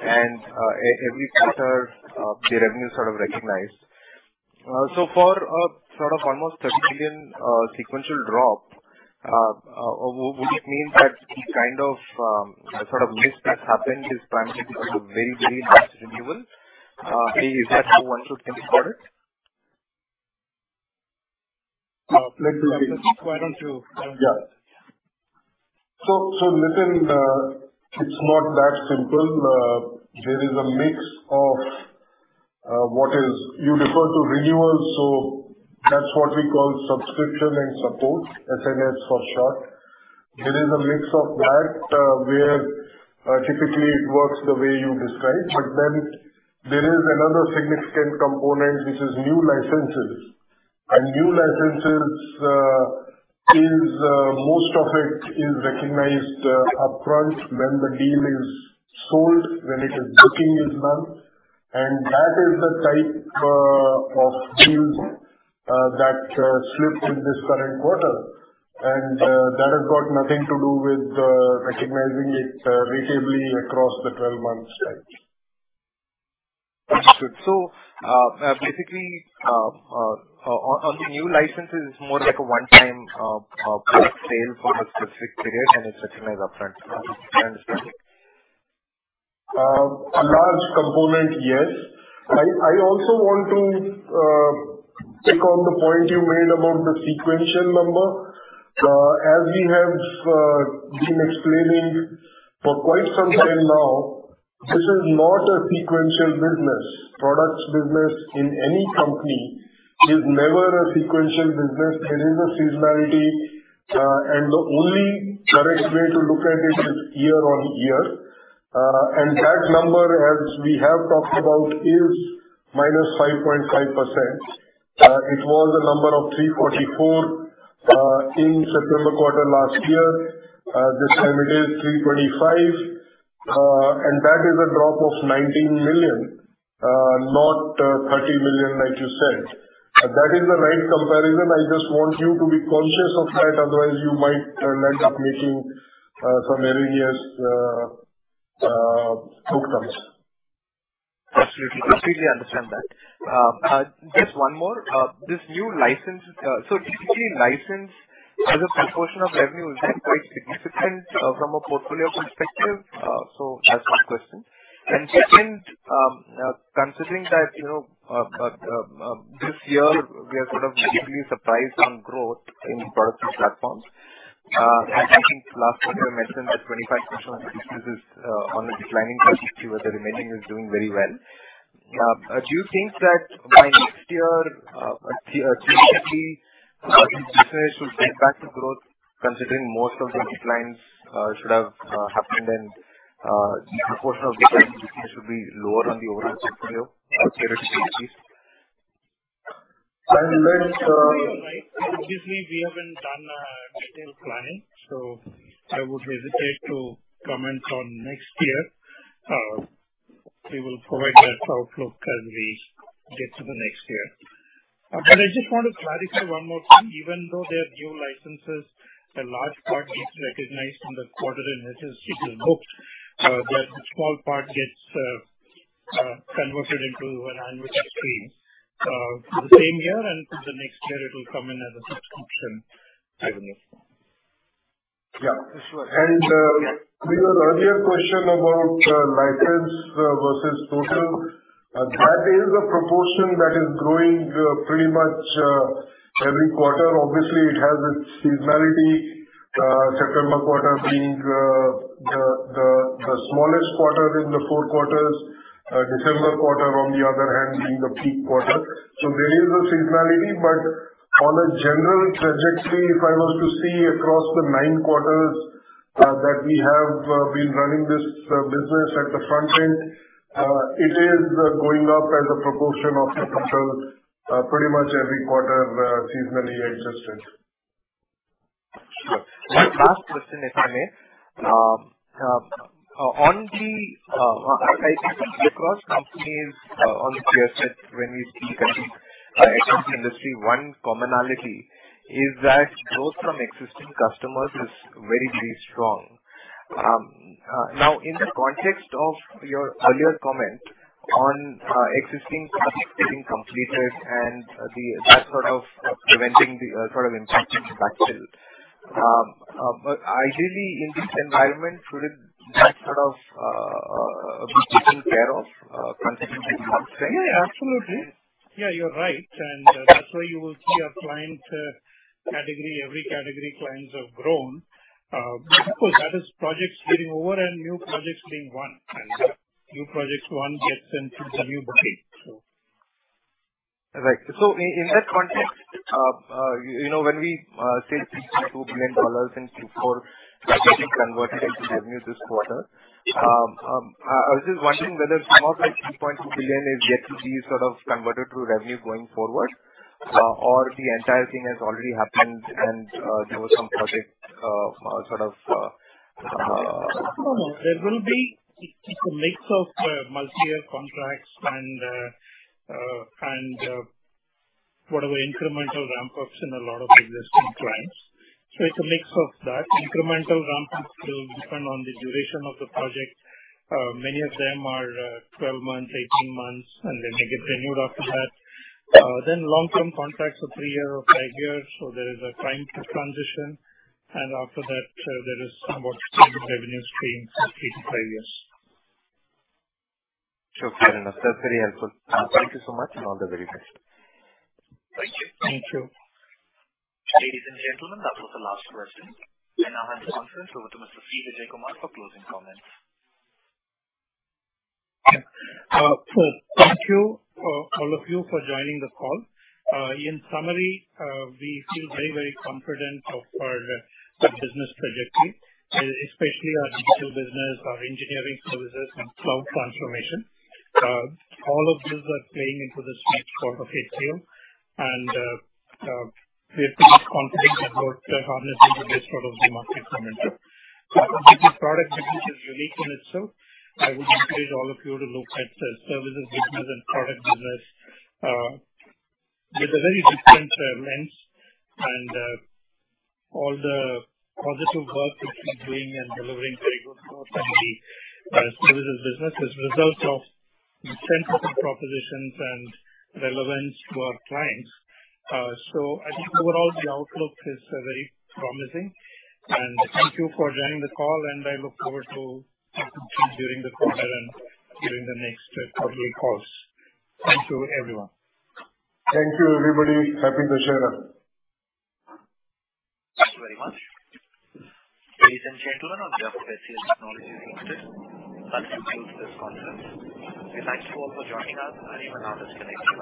and every quarter, the revenue sort of recognized. For sort of almost $30 million sequential drop, would it mean that the kind of mix that happened is primarily because of very large renewals? Maybe you just have one or two things for it. Let's begin. Why don't you answer that? Yeah. Listen, it's not that simple. There is a mix of what is-- You refer to renewals, that's what we call Subscription and Support, SNS for short. There is a mix of that, where typically it works the way you described, there is another significant component, which is new licenses. New licenses, most of it is recognized upfront when the deal is sold, when its booking is done. That is the type of deals that slipped in this current quarter. That has got nothing to do with recognizing it ratably across the 12 months cycle. Good. Basically, on the new licenses, it's more like a one-time product sale for a specific period, and it's recognized upfront. I understand. A large component, yes. I also want to pick on the point you made about the sequential number. As we have been explaining for quite some time now, this is not a sequential business. Products business in any company is never a sequential business. There is a seasonality, and the only correct way to look at it is year-on-year. That number, as we have talked about, is -5.5%. It was a number of $344 million in September quarter last year. This time it is $325 million, and that is a drop of $19 million, not $30 million like you said. That is the right comparison. I just want you to be conscious of that, otherwise you might land up making some erroneous decisions. Absolutely. Completely understand that. Just one more. This new license, typically license as a proportion of revenue, is that quite significant from a portfolio perspective? That's one question. Second, considering that this year we are sort of literally surprised on growth in Products & Platforms. I think last time you had mentioned that 25% of the business is on a declining trajectory where the remaining is doing very well. Do you think that by next year, typically, this business should get back to growth considering most of the declines should have happened and the proportion of declining business should be lower on the overall portfolio for HCLTech? You're right. Obviously, we haven't done a detailed plan. I would hesitate to comment on next year. We will provide that outlook as we get to the next year. I just want to clarify one more thing. Even though they're new licenses, a large part gets recognized in the quarter in which it is booked, but the small part gets converted into an annual stream for the same year, and for the next year it will come in as a subscription revenue. Yeah, sure. Your earlier question about license versus total. That is a proportion that is growing pretty much every quarter. Obviously, it has its seasonality. September quarter being the smallest quarter in the four quarters. December quarter, on the other hand, being the peak quarter. There is a seasonality, but on a general trajectory, if I was to see across the nine quarters that we have been running this business at the front end, it is going up as a proportion of the total pretty much every quarter, seasonally adjusted. Sure. One last question, if I may. I think across companies on the peer set, when we look at the IT industry, one commonality is that growth from existing customers is very strong. In the context of your earlier comment on existing projects getting completed and that sort of preventing the sort of impact in the backfill. Ideally in this environment, should that sort of be taken care of considering the demand strength? Yeah, absolutely. You're right. That's why you will see our client category, every category clients have grown. That is projects getting over and new projects being won, and new projects won gets into the new bucket. Right. In that context, when we say $3.2 billion in Q4 getting converted into revenue this quarter, I was just wondering whether some of that $3.2 billion is yet to be converted to revenue going forward or the entire thing has already happened and there was some project. No, no. It's a mix of multi-year contracts and further incremental ramp-ups in a lot of existing clients. It's a mix of that. Incremental ramp-ups will depend on the duration of the project. Many of them are 12 months, 18 months, and then they get renewed after that. Long-term contracts are three year or five years. There is a time to transition, and after that, there is somewhat stable revenue stream for three to five years. Sure, fair enough. That's very helpful. Thank you so much, and all the very best. Thank you. Thank you. Ladies and gentlemen, that was the last question. I now hand the conference over to Mr. C Vijayakumar for closing comments. Thank you, all of you, for joining the call. In summary, we feel very confident of our business trajectory, especially our digital business, our Engineering Services, and cloud transformation. All of these are playing into the strength of HCL. We feel confident about harnessing the best out of the market momentum. Our complete Product Business is unique in itself. I would encourage all of you to look at the Services Business and Product Business with a very different lens, and all the positive work which we're doing and delivering very good growth in the Services Business is results of the centerpiece of propositions and relevance to our clients. I think overall the outlook is very promising. Thank you for joining the call, and I look forward to talking to you during the quarter and during the next quarterly calls. Thank you, everyone. Thank you, everybody. Happy Dussehra. Thank you very much. Ladies and gentlemen of Jefferies HCL Technologies Limited, thank you for this conference. We thank you all for joining us, and you may now disconnect your lines.